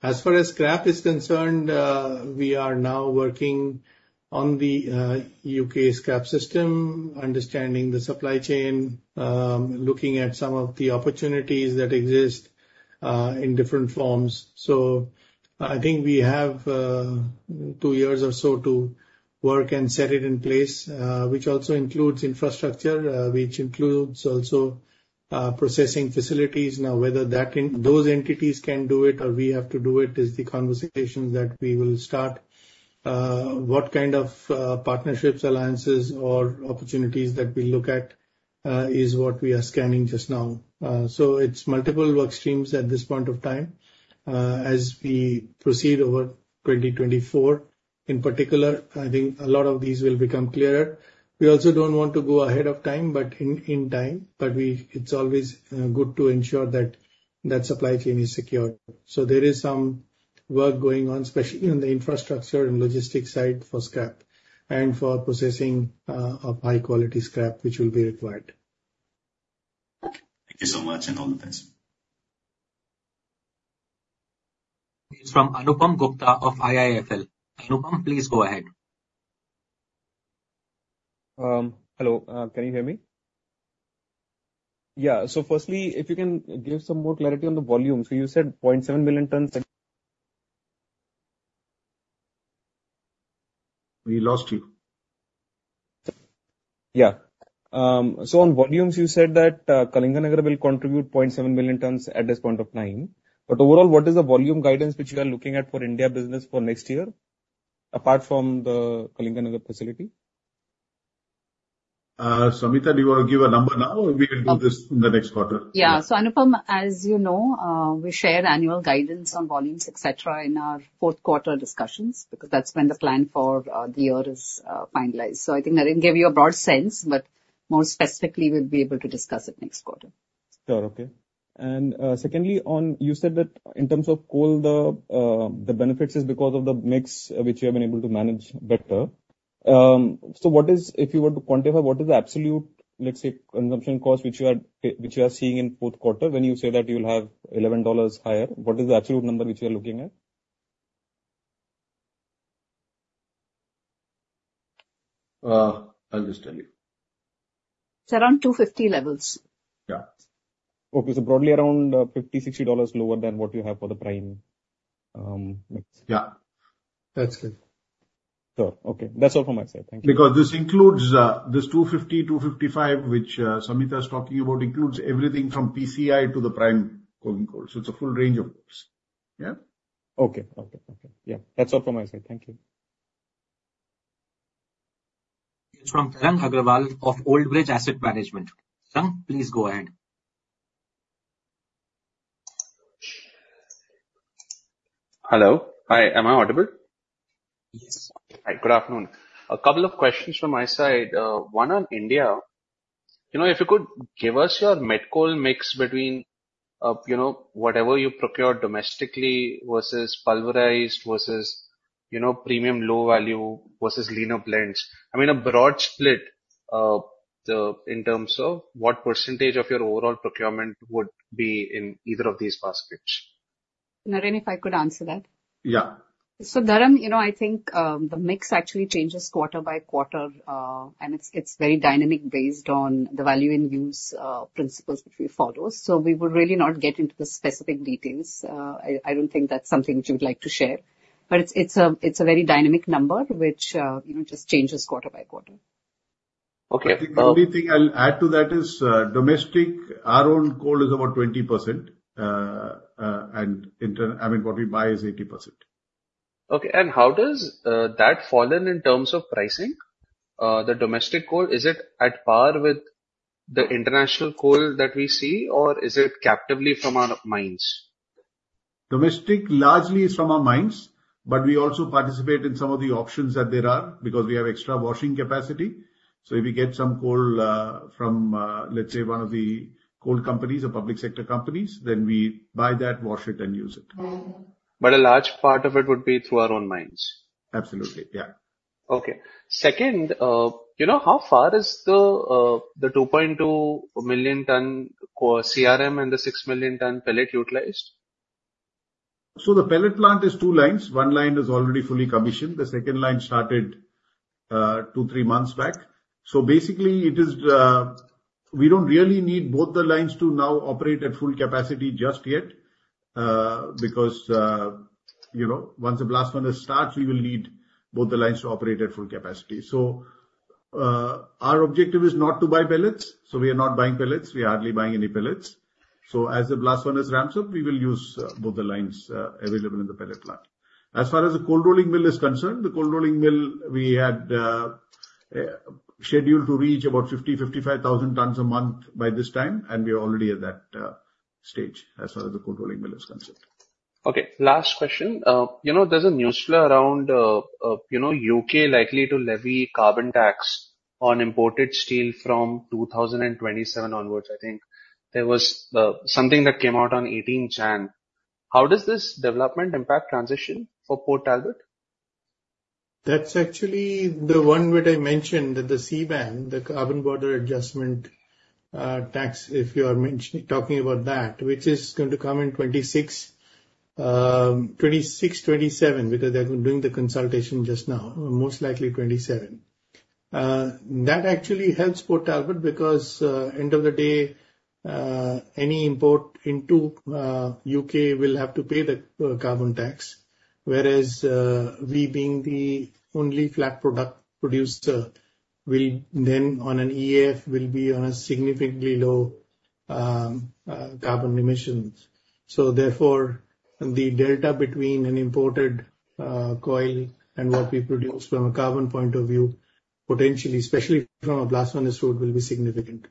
As far as scrap is concerned, we are now working on the U.K. scrap system, understanding the supply chain, looking at some of the opportunities that exist in different forms. So I think we have two years or so to work and set it in place, which also includes infrastructure, which includes also processing facilities. Now, whether that those entities can do it or we have to do it, is the conversations that we will start. What kind of partnerships, alliances or opportunities that we look at, is what we are scanning just now. So it's multiple work streams at this point of time. As we proceed over 2024, in particular, I think a lot of these will become clearer. We also don't want to go ahead of time, but in, in time, but we... It's always good to ensure that that supply chain is secure. There is some work going on, especially in the infrastructure and logistics side, for scrap and for processing of high quality scrap, which will be required. Thank you so much, and over to the next. From Anupam Gupta of IIFL. Anupam, please go ahead. Hello, can you hear me? Yeah. So firstly, if you can give some more clarity on the volume. So you said 0.7 million tons We lost you. Yeah. So on volumes, you said that, Kalinganagar will contribute 0.7 million tons at this point of time. But overall, what is the volume guidance which you are looking at for India business for next year, apart from the Kalinganagar facility? Samita, do you want to give a number now, or we can do this in the next quarter? Yeah. So, Anupam, as you know, we share annual guidance on volumes, et cetera, in our fourth quarter discussions, because that's when the plan for the year is finalized. So I think I can give you a broad sense, but more specifically, we'll be able to discuss it next quarter. Sure. Okay. And, secondly, on you said that in terms of coal, the benefits is because of the mix, which you have been able to manage better. So what is, if you were to quantify, what is the absolute, let's say, consumption cost, which you are seeing in fourth quarter, when you say that you'll have $11 higher? What is the absolute number which you are looking at? I'll just tell you. It's around 250 levels. Yeah. Okay, so broadly around $50-$60 lower than what you have for the prime mix. Yeah, that's it. Sure. Okay. That's all from my side. Thank you. Because this includes this $250-$255, which Samita is talking about, includes everything from PCI to the prime coal, coal. So it's a full range of coals. Yeah? Okay. Okay, okay. Yeah, that's all from my side. Thank you. From Tarang Agrawal of Old Bridge Capital Management. Tarang, please go ahead. Hello. Hi, am I audible? Yes. Hi, good afternoon. A couple of questions from my side, one on India. You know, if you could give us your met coal mix between, you know, whatever you procure domestically versus pulverized, versus, you know, premium low value versus leaner blends. I mean, a broad split, in terms of what percentage of your overall procurement would be in either of these baskets? Naren, if I could answer that? Yeah. So, Tarang, you know, I think, the mix actually changes quarter by quarter, and it's, it's very dynamic based on the value and use, principles which we follow. So we would really not get into the specific details. I, I don't think that's something which we'd like to share. But it's a very dynamic number, which, you know, just changes quarter by quarter. Okay. I think the only thing I'll add to that is, domestic, our own coal is about 20%, and I mean, what we buy is 80%. Okay. And how does that fallen in terms of pricing? The domestic coal, is it at par with the international coal that we see, or is it captive from our mines? Domestic largely is from our mines, but we also participate in some of the auctions that there are, because we have extra washing capacity. So if we get some coal, from, let's say, one of the coal companies or public sector companies, then we buy that, wash it, and use it. But a large part of it would be through our own mines? Absolutely. Yeah. Okay. Second, you know, how far is the 2.2 million ton CRM and the 6 million ton pellet utilized? So the pellet plant is two lines. One line is already fully commissioned. The second line started two, three months back. So basically, we don't really need both the lines to now operate at full capacity just yet, because you know, once the blast furnace starts, we will need both the lines to operate at full capacity. So our objective is not to buy pellets, so we are not buying pellets. We are hardly buying any pellets. So as the blast furnace ramps up, we will use both the lines available in the pellet plant. As far as the cold rolling mill is concerned, the cold rolling mill, we had scheduled to reach about 50,000-55,000 tons a month by this time, and we are already at that stage, as far as the cold rolling mill is concerned. Okay, last question. You know, there's a newsflash around, you know, U.K. likely to levy carbon tax on imported steel from 2027 onwards. I think there was something that came out on 18th January. How does this development impact transition for Port Talbot? That's actually the one where I mentioned, that the CBAM, the Carbon Border Adjustment Tax, if you are talking about that, which is going to come in 2026, 2026, 2027, because they've been doing the consultation just now, most likely 2027. That actually helps Port Talbot, because, end of the day, any import into, U.K. will have to pay the, carbon tax, whereas, we being the only flat product producer, will then, on an EAF, will be on a significantly low carbon emissions. So therefore, the delta between an imported coil and what we produce from a carbon point of view, potentially, especially from a blast furnace route, will be significant.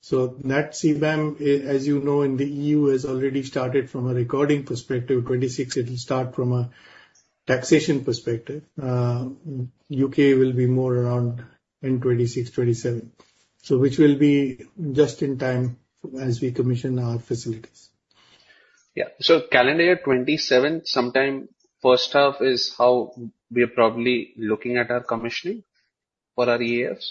So that CBAM, as you know, in the E.U., has already started from a recording perspective. 2026, it will start from a taxation perspective. U.K. will be more around in 2026, 2027, so which will be just in time as we commission our facilities. Yeah. So calendar year 2027, sometime first half is how we are probably looking at our commissioning for our EAFs?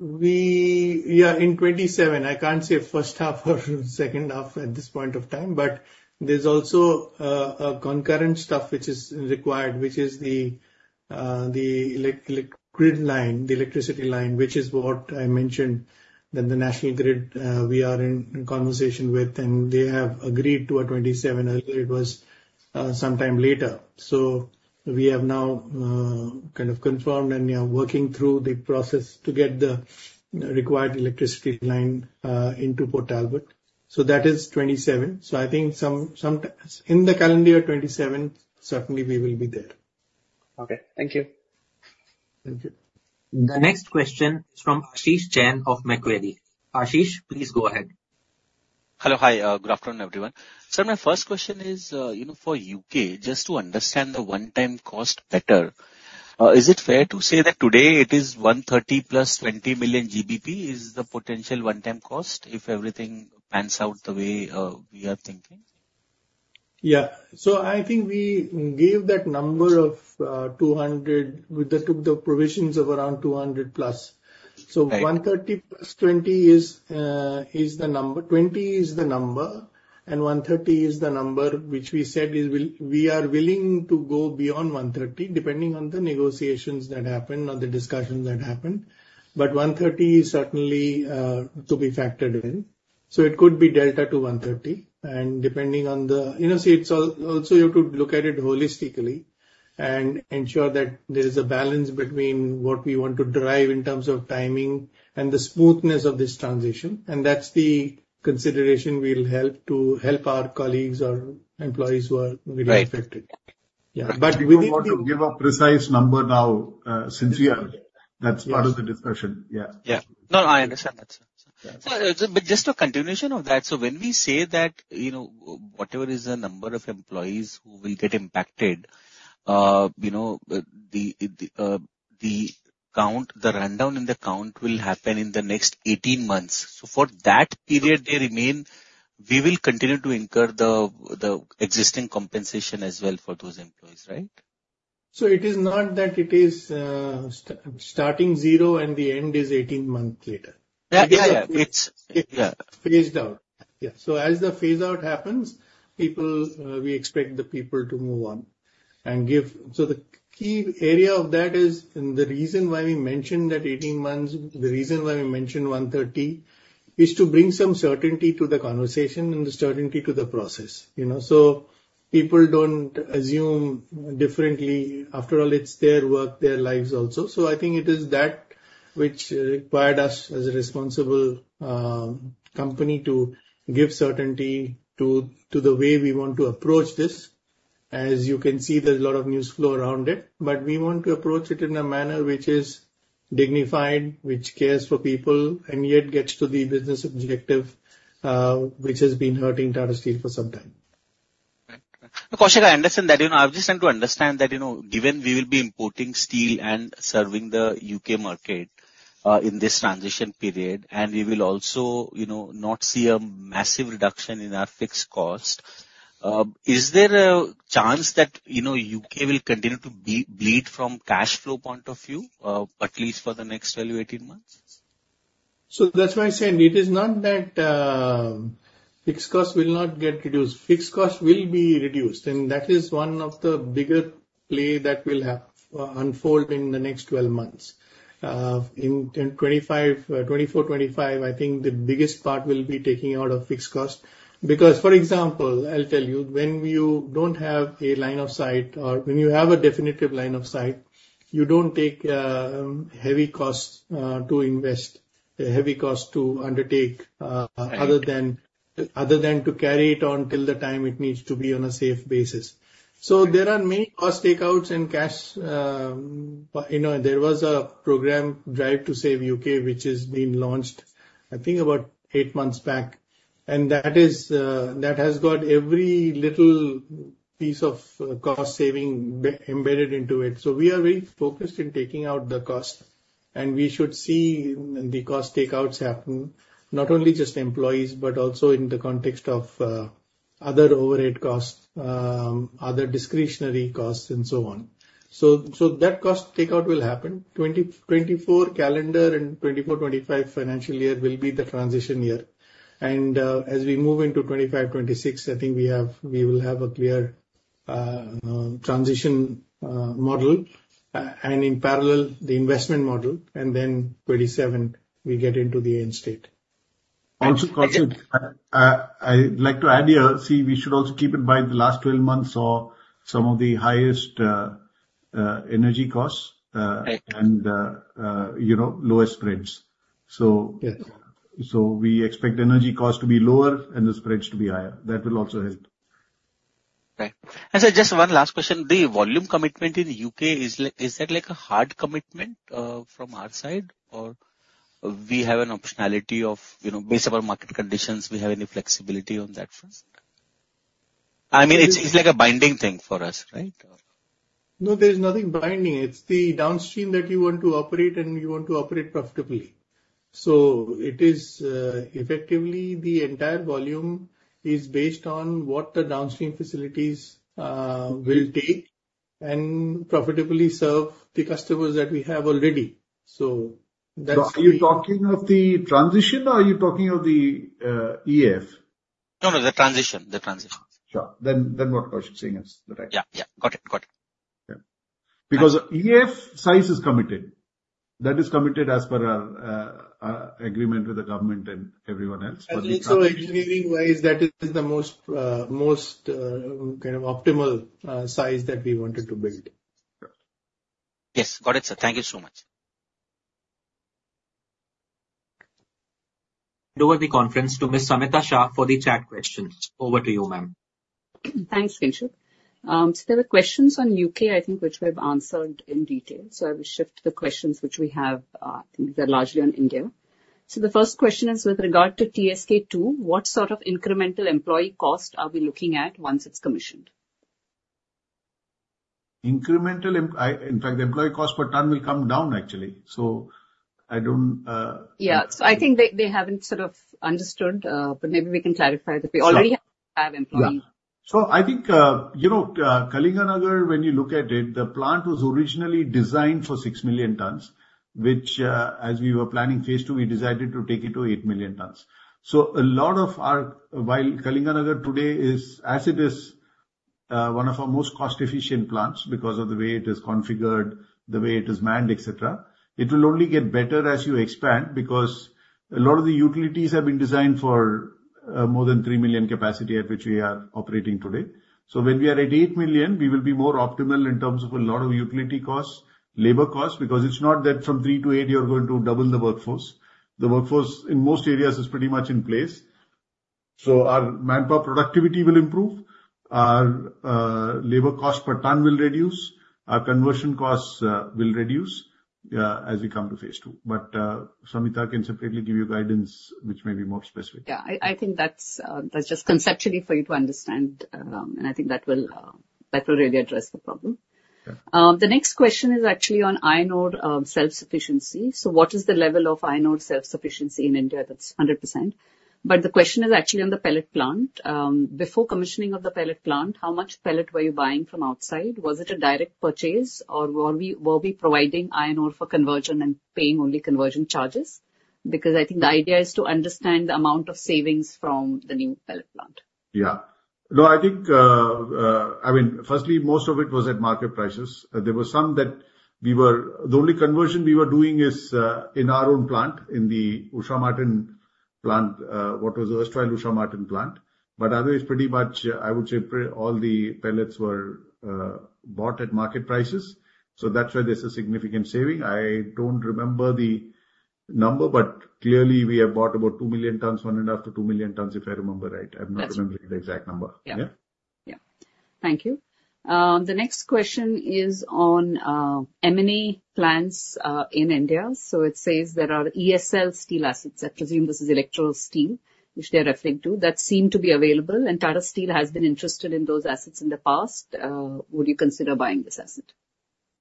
Yeah, in 2027. I can't say first half or second half at this point of time, but there's also a concurrent stuff which is required, which is the electric grid line, the electricity line, which is what I mentioned, that the National Grid, we are in conversation with, and they have agreed to a 2027. Earlier it was sometime later. So we have now kind of confirmed, and we are working through the process to get the required electricity line into Port Talbot. So that is 2027. So I think some... In the calendar year 2027, certainly we will be there. Okay. Thank you. Thank you. The next question is from Ashish Jain of Macquarie. Ashish, please go ahead. Hello. Hi, good afternoon, everyone. My first question is, you know, for U.K., just to understand the one-time cost better, is it fair to say that today it is 130 + 20 million GBP is the potential one-time cost, if everything pans out the way we are thinking? Yeah. I think we gave that number of 200. We took the provisions of around +200. Right. So 130 + 20 is the number. 20 is the number, and 130 is the number which we said is we are willing to go beyond 130, depending on the negotiations that happen or the discussions that happen. But 130 is certainly to be factored in. So it could be delta to 130, and depending on the... You know, so it's also you have to look at it holistically and ensure that there is a balance between what we want to derive in terms of timing and the smoothness of this transition, and that's the consideration we'll help to help our colleagues or employees who are- Right. really affected. Yeah. But we don't want to give a precise number now, since we are... Yes. That's part of the discussion. Yeah. Yeah. No, I understand that, sir. Yeah. Sir, but just a continuation of that: so when we say that, you know, whatever is the number of employees who will get impacted, you know, the, the count, the rundown in the count will happen in the next 18 months. So for that period they remain, we will continue to incur the, the existing compensation as well for those employees, right? So it is not that it is starting zero and the end is 18 months later. Yeah. Yeah, yeah. It's, yeah. Phased out. Yeah. So as the phase out happens, people, we expect the people to move on and give. So the key area of that is, and the reason why we mentioned that 18 months, the reason why we mentioned 130, is to bring some certainty to the conversation and the certainty to the process, you know. So people don't assume differently. After all, it's their work, their lives also. So I think it is that which required us, as a responsible, company, to give certainty to, to the way we want to approach this. As you can see, there's a lot of news flow around it, but we want to approach it in a manner which is dignified, which cares for people, and yet gets to the business objective, which has been hurting Tata Steel for some time. Right. Koushik, I understand that, you know, I'm just trying to understand that, you know, given we will be importing steel and serving the U.K. market, in this transition period, and we will also, you know, not see a massive reduction in our fixed cost, is there a chance that, you know, U.K. will continue to bleed from cash flow point of view, at least for the next 12-18 months? So that's why I'm saying it is not that, fixed costs will not get reduced. Fixed costs will be reduced, and that is one of the bigger play that will have, unfold in the next 12 months. In 2025, 2024, 2025, I think the biggest part will be taking out of fixed cost. Because, for example, I'll tell you, when you don't have a line of sight or when you have a definitive line of sight, you don't take, heavy costs, to invest, a heavy cost to undertake, Right. Other than, other than to carry it on till the time it needs to be on a safe basis. So there are many cost takeouts and cash. You know, there was a program, Drive to Save U.K., which has been launched, I think, about eight months back, and that is, that has got every little piece of cost saving embedded into it. So we are very focused in taking out the cost, and we should see the cost takeouts happen, not only just employees, but also in the context of, other overhead costs, other discretionary costs, and so on. So, so that cost takeout will happen. 2024 calendar and 2024-2025 financial year will be the transition year. As we move into 2025, 2026, I think we will have a clear transition model and in parallel, the investment model, and then 2027, we get into the end state. Also, Koushik, I'd like to add here, see, we should also keep in mind, the last 12 months saw some of the highest energy costs, Right. -and, you know, lowest spreads. So- Yes. So we expect energy costs to be lower and the spreads to be higher. That will also help. Right. And sir, just one last question. The volume commitment in U.K., is like, is that like a hard commitment, from our side, or we have an optionality of, you know, based on our market conditions, we have any flexibility on that front? I mean, it's, it's like a binding thing for us, right? No, there's nothing binding. It's the downstream that you want to operate, and you want to operate profitably. So it is effectively the entire volume is based on what the downstream facilities will take and profitably serve the customers that we have already. So that's- So are you talking of the transition or are you talking of the EAF? No, no, the transition. The transition. Sure. Then what Koushik's saying is the right. Yeah, yeah. Got it. Got it. Yeah. Because EAF size is committed. That is committed as per our, our agreement with the government and everyone else. I think so engineering-wise, that is the most kind of optimal size that we wanted to build. Yeah. Yes. Got it, sir. Thank you so much. Over the conference to Ms. Samita Shah for the chat questions. Over to you, ma'am. Thanks, Kinshuk. So there are questions on U.K., I think, which we have answered in detail, so I will shift the questions which we have, I think they're largely on India. So the first question is: With regard to TSK 2, what sort of incremental employee cost are we looking at once it's commissioned? In fact, the employee cost per ton will come down, actually. So I don't Yeah. So I think they haven't sort of understood, but maybe we can clarify that we already have employees. Yeah. So I think, you know, Kalinganagar, when you look at it, the plant was originally designed for 6 million tons, which, as we were planning phase two, we decided to take it to 8 million tons. So a lot of our... While Kalinganagar today is, as it is, one of our most cost-efficient plants, because of the way it is configured, the way it is manned, et cetera, it will only get better as you expand, because a lot of the utilities have been designed for, more than 3 million capacity at which we are operating today. So when we are at 8 million, we will be more optimal in terms of a lot of utility costs, labor costs, because it's not that from three to eight, you're going to double the workforce. The workforce in most areas is pretty much in place. So our manpower productivity will improve, our labor cost per ton will reduce, our conversion costs will reduce, as we come to phase two. But Samita can separately give you guidance, which may be more specific. Yeah. I think that's just conceptually for you to understand, and I think that will really address the problem. Yeah. The next question is actually on iron ore self-sufficiency. So what is the level of iron ore self-sufficiency in India? That's 100%. But the question is actually on the pellet plant. Before commissioning of the pellet plant, how much pellet were you buying from outside? Was it a direct purchase, or were we providing iron ore for conversion and paying only conversion charges? Because I think the idea is to understand the amount of savings from the new pellet plant. Yeah. No, I think, I mean, firstly, most of it was at market prices. There were some that we were, the only conversion we were doing is in our own plant, in the Usha Martin plant, what was the acquired Usha Martin plant. But otherwise, pretty much, I would say all the pellets were bought at market prices, so that's why there's a significant saving. I don't remember the number, but clearly we have bought about 2 million tons, 1.5 million-2 million tons, if I remember right. I'm not remembering the exact number. Yeah. Yeah? Yeah. Thank you. The next question is on M&A plans in India. So it says there are ESL Steel assets, I presume this is electrical steel, which they are referring to, that seem to be available, and Tata Steel has been interested in those assets in the past. Would you consider buying this asset?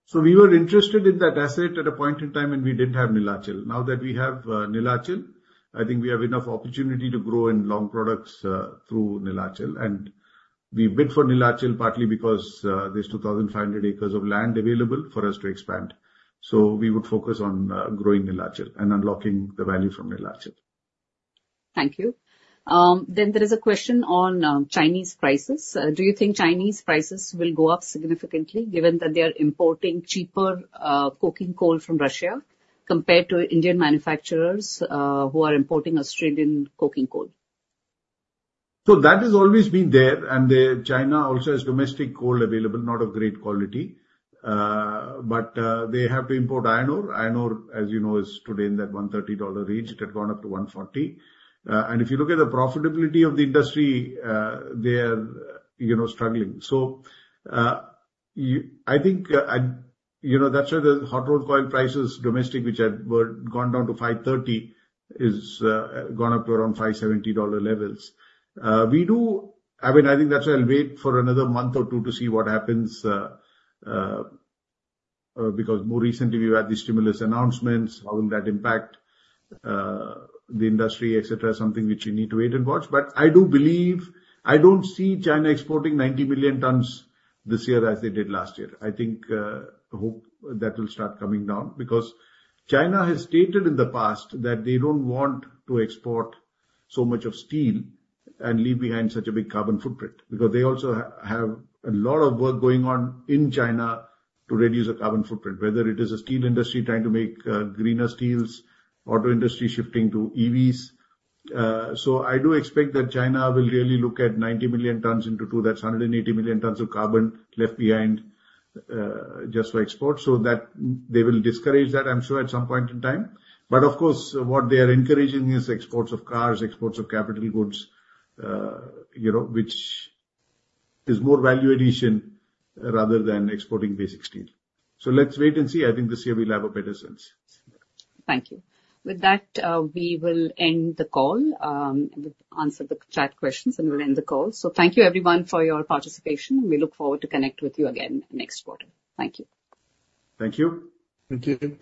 So we were interested in that asset at a point in time, and we didn't have Neelachal. Now that we have Neelachal, I think we have enough opportunity to grow in long products through Neelachal. And we bid for Neelachal partly because there's 2,500 acres of land available for us to expand. So we would focus on growing Neelachal and unlocking the value from Neelachal. Thank you. There is a question on Chinese prices. Do you think Chinese prices will go up significantly given that they are importing cheaper coking coal from Russia compared to Indian manufacturers who are importing Australian coking coal? So that has always been there, and China also has domestic coal available, not of great quality, but they have to import iron ore. Iron ore, as you know, is today in that $130 range. It had gone up to $140. And if you look at the profitability of the industry, they are, you know, struggling. So, you, I think, You know, that's why the hot rolled coil prices, domestic, which had were gone down to $530, is gone up to around $570 levels. We do-- I mean, I think that's why I'll wait for another month or two to see what happens, because more recently we've had the stimulus announcements. How will that impact, the industry, et cetera? Something which you need to wait and watch. But I do believe... I don't see China exporting 90 million tons this year as they did last year. I think, hope that will start coming down because China has stated in the past that they don't want to export so much of steel and leave behind such a big carbon footprint. Because they also have a lot of work going on in China to reduce their carbon footprint, whether it is the steel industry trying to make greener steels, auto industry shifting to EVs. So I do expect that China will really look at 90 million tons into two, that's 180 million tons of carbon left behind, just for export. So that, they will discourage that, I'm sure, at some point in time. But of course, what they are encouraging is exports of cars, exports of capital goods, you know, which is more value addition rather than exporting basic steel. So let's wait and see. I think this year we'll have a better sense. Thank you. With that, we will end the call, answer the chat questions, and we'll end the call. So thank you everyone for your participation, and we look forward to connect with you again next quarter. Thank you. Thank you. Thank you.